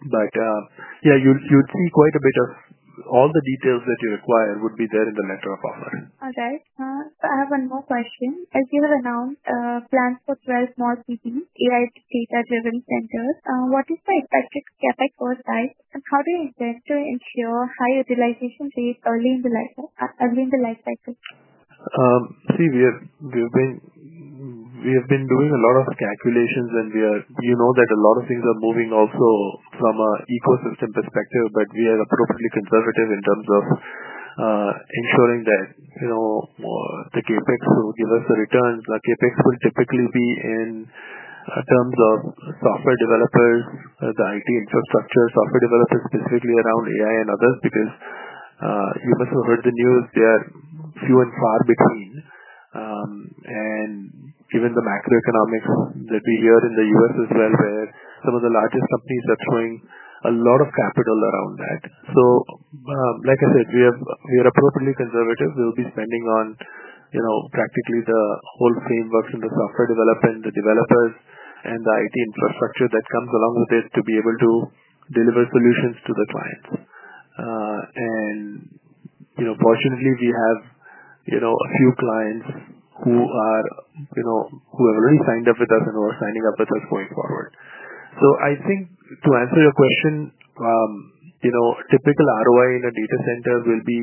You'll see quite a bit of all the details that you require would be there in the letter of offer. Okay. I have one more question. As you have announced plans for 12 more CPU AI data-driven centers, what is the expected CapEx or CAC? How do you expect to ensure high utilization rates early in the lifecycle? See, we have been doing a lot of calculations, and we are, you know, that a lot of things are moving also from an ecosystem perspective, but we are appropriately conservative in terms of ensuring that, you know, the CapEx will give us the returns. The CapEx will typically be in terms of software developers, the IT infrastructure, software developers specifically around AI and others because you must have heard the news. They are few and far between. Given the macroeconomics, let's say we are in the U.S. as well, where some of the largest companies are showing a lot of capital around that. Like I said, we are appropriately conservative. We'll be spending on, you know, practically the whole frameworks and the software development and the developers and the IT infrastructure that comes along with it to be able to deliver solutions to the client. Fortunately, we have, you know, a few clients who are, you know, who have already signed up with us and who are signing up with us going forward. I think to answer your question, you know, typical ROI in a data center will be,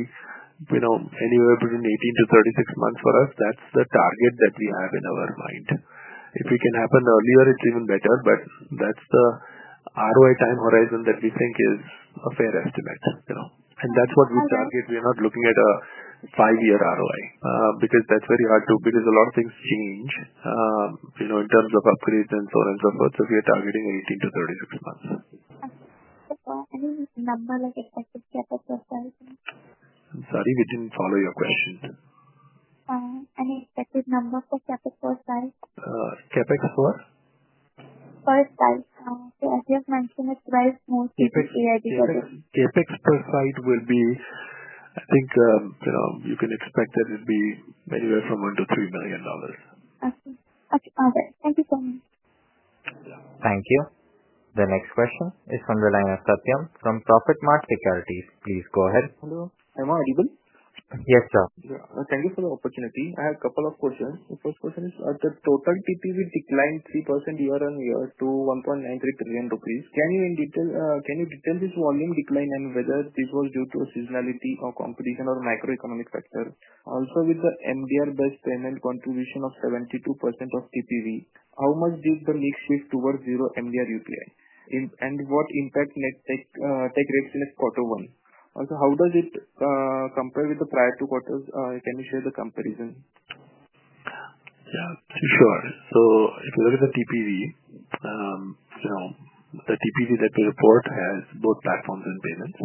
you know, anywhere between 18 months-36 months for us. That's the target that we have in our mind. If it can happen earlier, it's even better, but that's the ROI time horizon that we think is a fair estimate, you know. That's what we target. We're not looking at a five-year ROI, because that's very hard to, because a lot of things change, you know, in terms of upgrades and so on and so forth. We are targeting 18 months-36 months. Is there a number like expected CapEx per size? I'm sorry, we didn't follow your question. Sorry. Any expected number for CapEx per size? CapEx for? Per size, as you have mentioned, it drives mostly for CI/CD? CapEx per site will be, I think, you know, you can expect that it will be anywhere from $1 million-$3 million. Okay. Okay. All right. Thank you so much. Thank you. The next question is from the line of Satyam from Profitmart Securities. Please go ahead. Hello. Am I audible? Yes, sir. Thank you for the opportunity. I have a couple of questions. The first question is, are the total TPVs declined 3% year-on-year to 1.93 trillion rupees? Can you, in detail, can you detail this volume decline and whether this was due to seasonality or competition or macroeconomic factor? Also, with the MDR-based payment contribution of 72% of TPV, how much did the leads shift towards zero MDR UPI? What impact led tech reps in this quarter one? Also, how does it compare with the prior two quarters? Can you share the comparison? Yeah, sure. If you look at the TPV, the TPV that we report has both platforms and payments.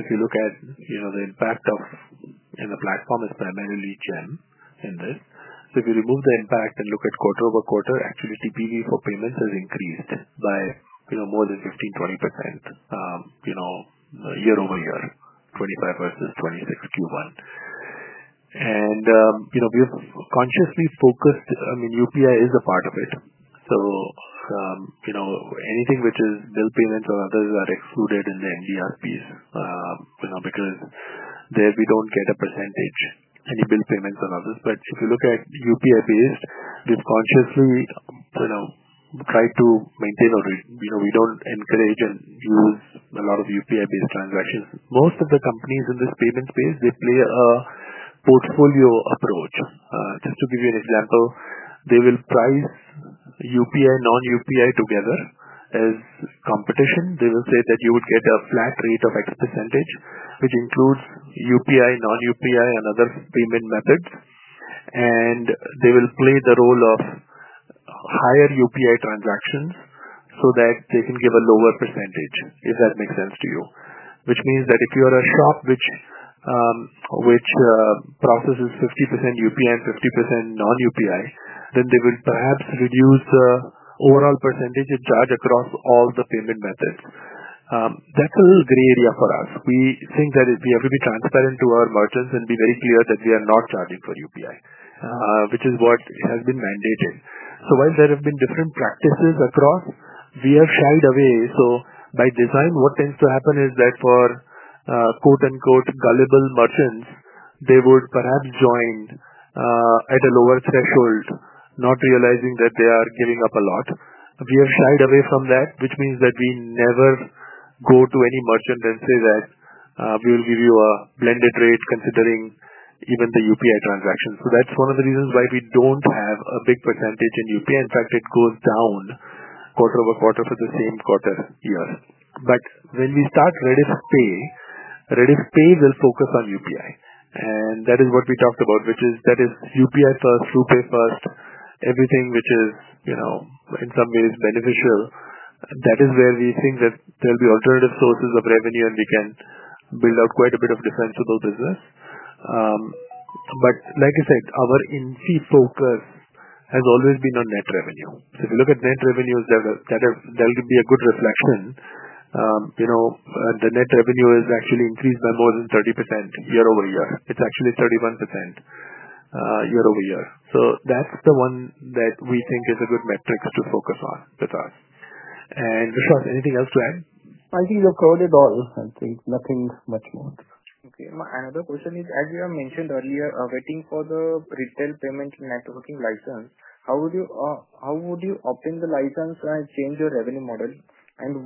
If you look at the impact of, and the platform is primarily churn in this. If you remove the impact and look at quarter-over-quarter, actually, TPV for payments has increased by more than 15%-20% year-over-year, 2025 versus 2026 Q1. We have consciously focused, I mean, UPI is a part of it. Anything which is bill payments or others are excluded in the MDR space because there we don't get a percentage, any bill payments or others. If you look at UPI base, we've consciously tried to maintain our base. We don't encourage and use a lot of UPI-based transactions. Most of the companies in this payment space play a portfolio approach. Just to give you an example, they will price UPI, non-UPI together as competition. They will say that you would get a flat rate of x percentage, which includes UPI, non-UPI, and other payment methods. They will play the role of higher UPI transactions so that they can give a lower percentage, if that makes sense to you. Which means that if you are a shop which processes 50% UPI and 50% non-UPI, then they will perhaps reduce the overall percentage of charge across all the payment methods. That's a little gray area for us. We think that if we have to be transparent to our merchants and be very clear that we are not charging for UPI, which is what has been mandated. While there have been different practices across, we have shied away. By design, what tends to happen is that for, quote-unquote, "gullible" merchants, they would perhaps join at a lower threshold, not realizing that they are killing up a lot. We have shied away from that, which means that we never go to any merchant and say that we will give you a blended rate considering even the UPI transactions. That's one of the reasons why we don't have a big percentage in UPI. In fact, it goes down quarter-over-quarter for the same quarter year. When we start RediffPay, RediffPay will focus on UPI. That is what we talked about, which is that is UPI first, through pay first, everything which is, in some ways, beneficial. That is where we think that there'll be alternative sources of revenue, and we can build out quite a bit of defensible business. Like I said, our in-seat focus has always been on net revenue. If you look at net revenues, that'll be a good reflection. You know, the net revenue has actually increased by more than 30% year-over-year. It's actually 31% year-over-year. That's the one that we think is a good metric to focus on with us. Vishwas, anything else to add? I think you've covered it all. I think nothing much more. Okay. My other question is, as you have mentioned earlier, waiting for the retail payment networking license, how would you obtain the license and change your revenue model?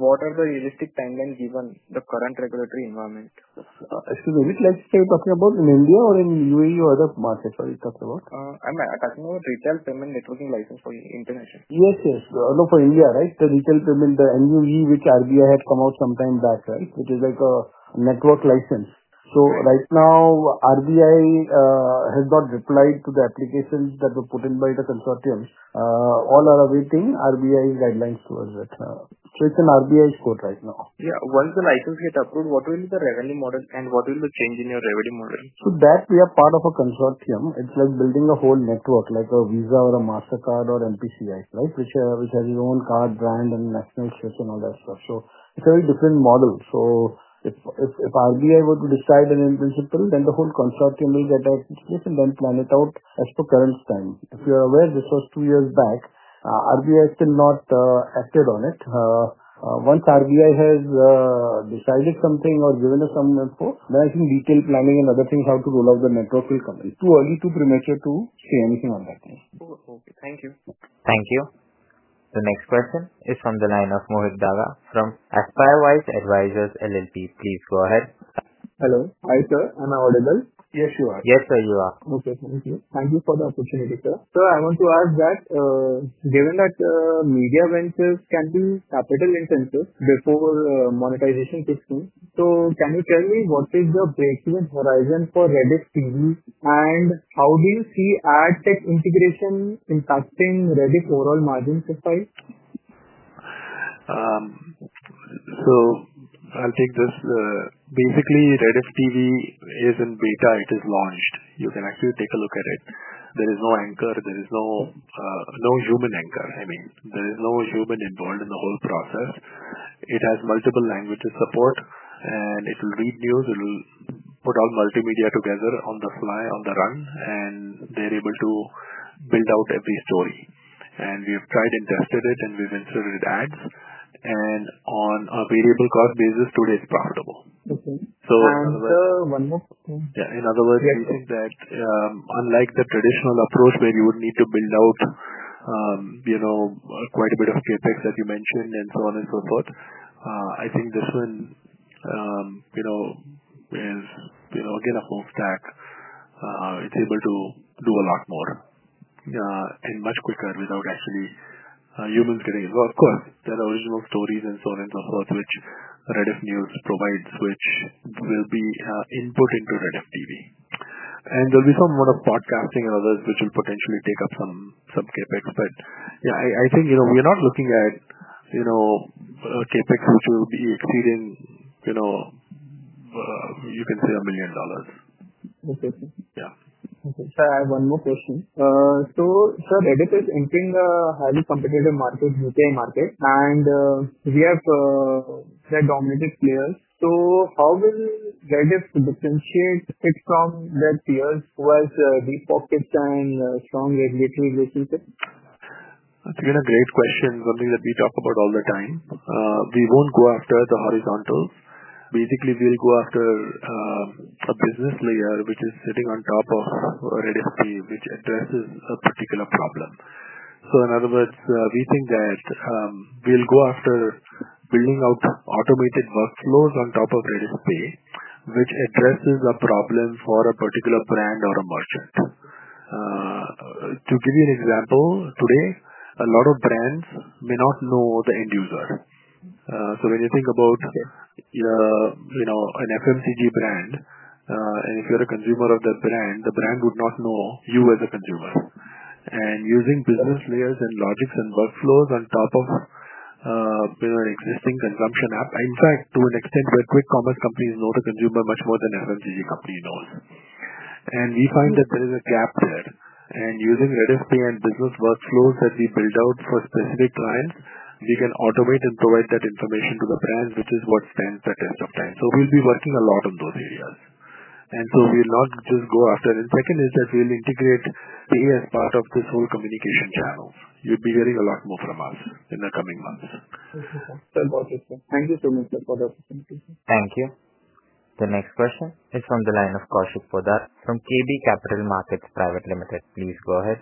What are the realistic timelines given the current regulatory environment? Is it legislation you're talking about in India or in the UAE or other markets? What are you talking about? I'm talking about retail payment networking license for the international. Yes, yes. No, for India, right? The retail payment, the MUE, which RBI had come out some time back, right? It is like a network license. Right now, RBI has not replied to the applications that were put in by the consortium. All are awaiting RBI's guidelines towards it. It's in RBI's court right now. Yeah. Once the license gets approved, what will be the revenue model, and what will be the change in your revenue model? We are part of a consortium. It's like building a whole network, like a Visa or a MasterCard or NPCI, which has its own card, brand, and nationalship, and all that stuff. It's a very different model. If RBI were to decide an entrance appeal, then the whole consortium will go back to sleep and then plan it out as per current time. If you're aware, this was two years back. RBI has still not acted on it. Once RBI has decided something or given us some input, then I think detailed planning and other things, how to roll out the network, will come. It's too early, too premature to say anything on that. Okay. Thank you. Thank you. The next question is from the line of [Mohit Daga from Aspirewise Advisors Llp]. Please go ahead. Hello. Hi, sir. Am I audible? Yes, you are. Yes, sir, you are. Okay. Thank you. Thank you for the opportunity, sir. Sir, I want to ask that, given that media ventures can be capital intensive before monetization is key, so can you tell me what is the breakthrough horizon for Rediff-TV, and how do you see ad tech integration impacting Rediff overall margin supply? I'll take this. Basically, Rediff-TV is in beta, it is launched. You can actually take a look at it. There is no anchor, there is no human anchor. I mean, there is no human involved in the whole process. It has multiple languages support, and it will read news and will put all multimedia together on the fly, on the run, and they're able to build out every story. We have tried and tested it, and we've inserted ads. On a variable cost basis, today it's profitable. Okay. Sir, one more thing. Yeah. In other words, we think that, unlike the traditional approach where you would need to build out quite a bit of the effects that you mentioned and so on and so forth, I think this one, where, again, a full stack, it's able to do a lot more, and much quicker without actually human intervening. Of course, there are original stories and so on and so forth, which Rediff News provides, which will be input into Rediff-TV. There will be some amount of podcasting and others which will potentially take up some CapEx. Yeah, I think we are not looking at CapEx which will be exceeding, you can say, $1 million. Okay, sir. Yeah. Okay. Sir, I have one more question. Sir, Rediff is entering the highly competitive U.K. market, and we have some competitive players. How will Rediff differentiate it from their peers who have deep pockets and strong regulatory resistance? That's again a great question, something that we talk about all the time. We won't go after the horizontal. Basically, we'll go after a business layer which is sitting on top of RediffPay, which addresses a particular problem. In other words, we think that we'll go after building out automated workflows on top of RediffPay, which addresses a problem for a particular brand or a merchant. To give you an example, today, a lot of brands may not know the end user. When you think about, you know, an FMCG brand, and if you're a consumer of that brand, the brand would not know you as a consumer. Using business layers and logics and workflows on top of, you know, an existing consumption app, in fact, to an extent where quick commerce companies know the consumer much more than an FMCG company knows. We find that there is a gap there. Using RediffPay and business workflows that we build out for specific clients, we can automate and provide that information to the brands, which is what stands at the end of the brand. We'll be working a lot on those areas. We'll not just go after. Second is that we'll integrate Pay as part of this whole communication channel. You'll be hearing a lot more from us in the coming months. Okay. That's awesome. Thank you so much, sir, for the opportunity. Thank you. The next question is from the line of Kaushik Poddar from KB Capital Markets Pvt Ltd. Please go ahead.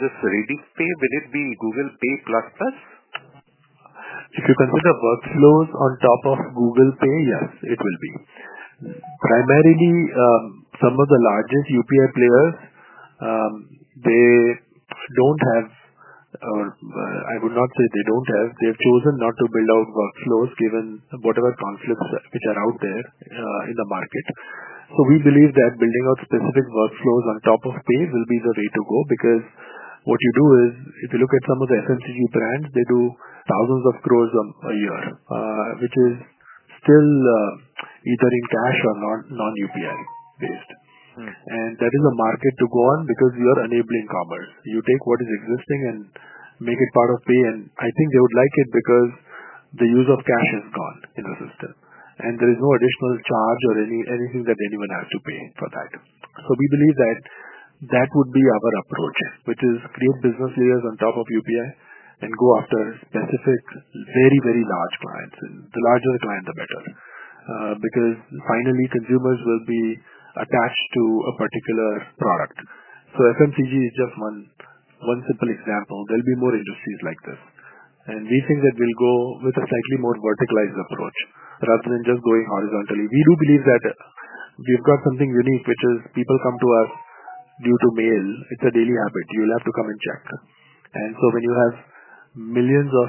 This RediffPay, will it be in Google Pay plus plus? If you consider workflows on top of Google Pay, yes, it will be. Primarily, some of the largest UPI players, they don't have, or I would not say they don't have, they've chosen not to build out workflows given whatever conflicts which are out there in the markets. We believe that building out specific workflows on top of Pay will be the way to go because what you do is, if you look at some of the FMCG brands, they do thousands of crores a year, which is still either in cash or non-UPI based. That is a market to go on because you are enabling commerce. You take what is existing and make it part of Pay. I think they would like it because the use of cash is gone in the system. There is no additional charge or anything that they even have to pay for that. We believe that that would be our approach, which is create business layers on top of UPI and go after specific very, very large clients. The larger the client, the better, because finally, consumers will be attached to a particular product. FMCG is just one simple example. There'll be more industries like this. We think that we'll go with a slightly more verticalized approach rather than just going horizontally. We do believe that we've got something unique, which is people come to us due to mail. It's a daily habit. You'll have to come and check. When you have millions of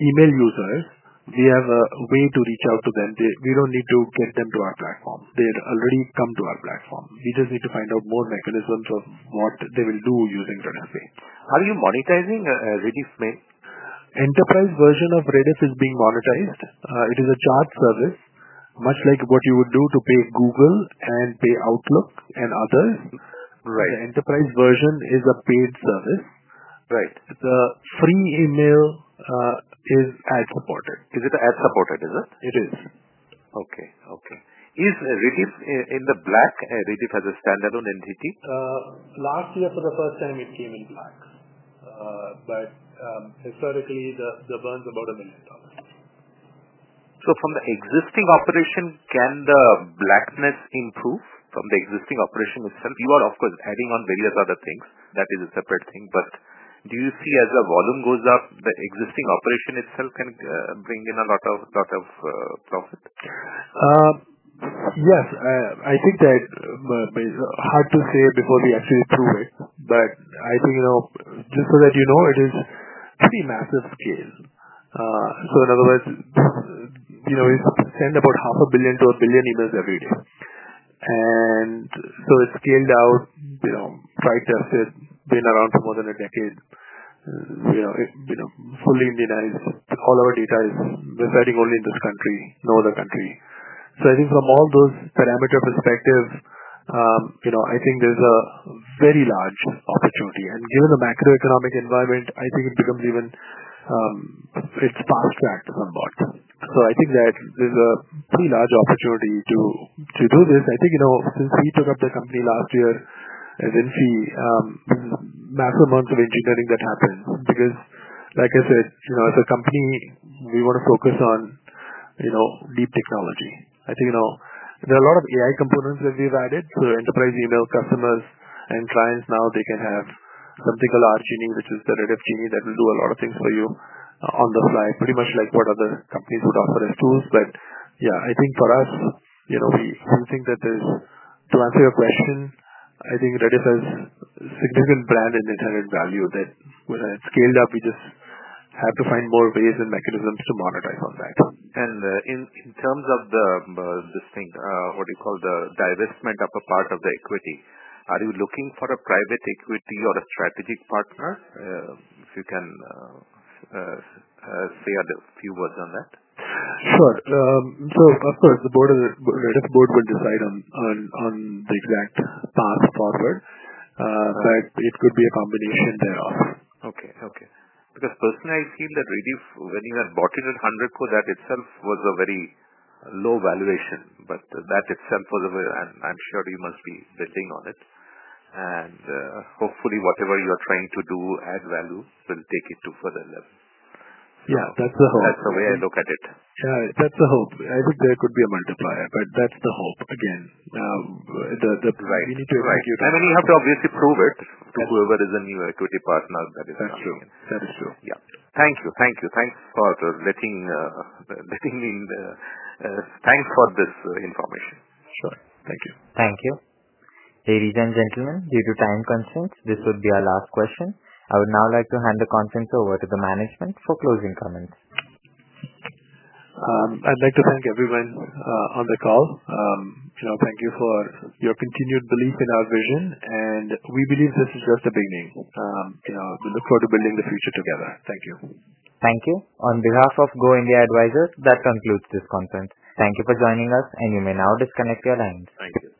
email users, we have a way to reach out to them. We don't need to force them to our platform. They already come to our platform. We just need to find out more mechanisms of what they will do using RediffPay. How are you monetizing Rediff, sir? Enterprise version of Rediff is being monetized. It is a charged service, much like what you would do to pay Google and pay Outlook and others. Right. The enterprise version is a paid service. Right. Its free email is ad supported. Is it ad supported? Is it? It is. Okay. Okay. Is Rediff in the black? Rediff has a standalone entity? Last year, for the first time, it came in black. Historically, the burn's about $1 million. From the existing operation, can the blackness improve from the existing operation itself? You are, of course, adding on various other things. That is a separate thing. Do you see, as the volume goes up, the existing operation itself can bring in a lot of profit? Yes. I think that, hard to say before we actually do it, but I think, you know, just so that you know, it is pretty massive scale. In other words, you know, we send about half a billion to a billion emails every day. It's scaled out, price tested, been around for more than a decade. We are fully indemnized. All our data is residing only in this country, no other country. I think from all those parameter perspectives, there's a very large opportunity. Given the macroeconomic environment, I think it becomes even, it's farfetched somewhat. I think that there's a pretty large opportunity to do this. Since we took up the company last year, there's actually even macro-monthly engineering that happened because, like I said, as a company, we want to focus on deep technology. I think there are a lot of AI components that we've added to enterprise email. Customers Clients now, they can have something called our team, which is the Rediff team, that will do a lot of things for you, on the fly. Pretty much like what other companies would offer us too. I think for us, you know, we think that to answer your question, I think Rediff has a significant brand and value that when it's scaled up, we just have to find more ways and mechanisms to monetize on that. In terms of the divestment of a part of the equity, are you looking for a private equity or a strategic partner? If you can, say a few words on that. Sure. Of course, the Rediff board will decide on the exact path forward, but it could be a combination thereof. Okay. Okay. Personally, I feel that Rediff, when you have bought it at $100, that itself was a very low valuation. That itself was a very, I'm sure you must be betting on it. Hopefully, whatever you are trying to do, add value, will take it to further levels. Yeah, that's the hope. That's the way I look at it. Yeah. That's the hope. I think there could be a multiplier. That's the hope, again. Right. We need to invest in your time. You have to obviously prove it to whoever is a new equity partner that is interested. That's true. That's true. Yeah. Thank you. Thank you. Thanks for letting me, thanks for this information. Sure. Thank you. Thank you. Ladies and gentlemen, due to time constraints, this would be our last question. I would now like to hand the conference over to the management for closing comments. I'd like to thank everyone on the call. Thank you for your continued belief in our vision. We believe this is just the beginning. We look forward to building the future together. Thank you. Thank you. On behalf of Go India Advisors, that concludes this conference. Thank you for joining us, and you may now disconnect your lines. Thank you.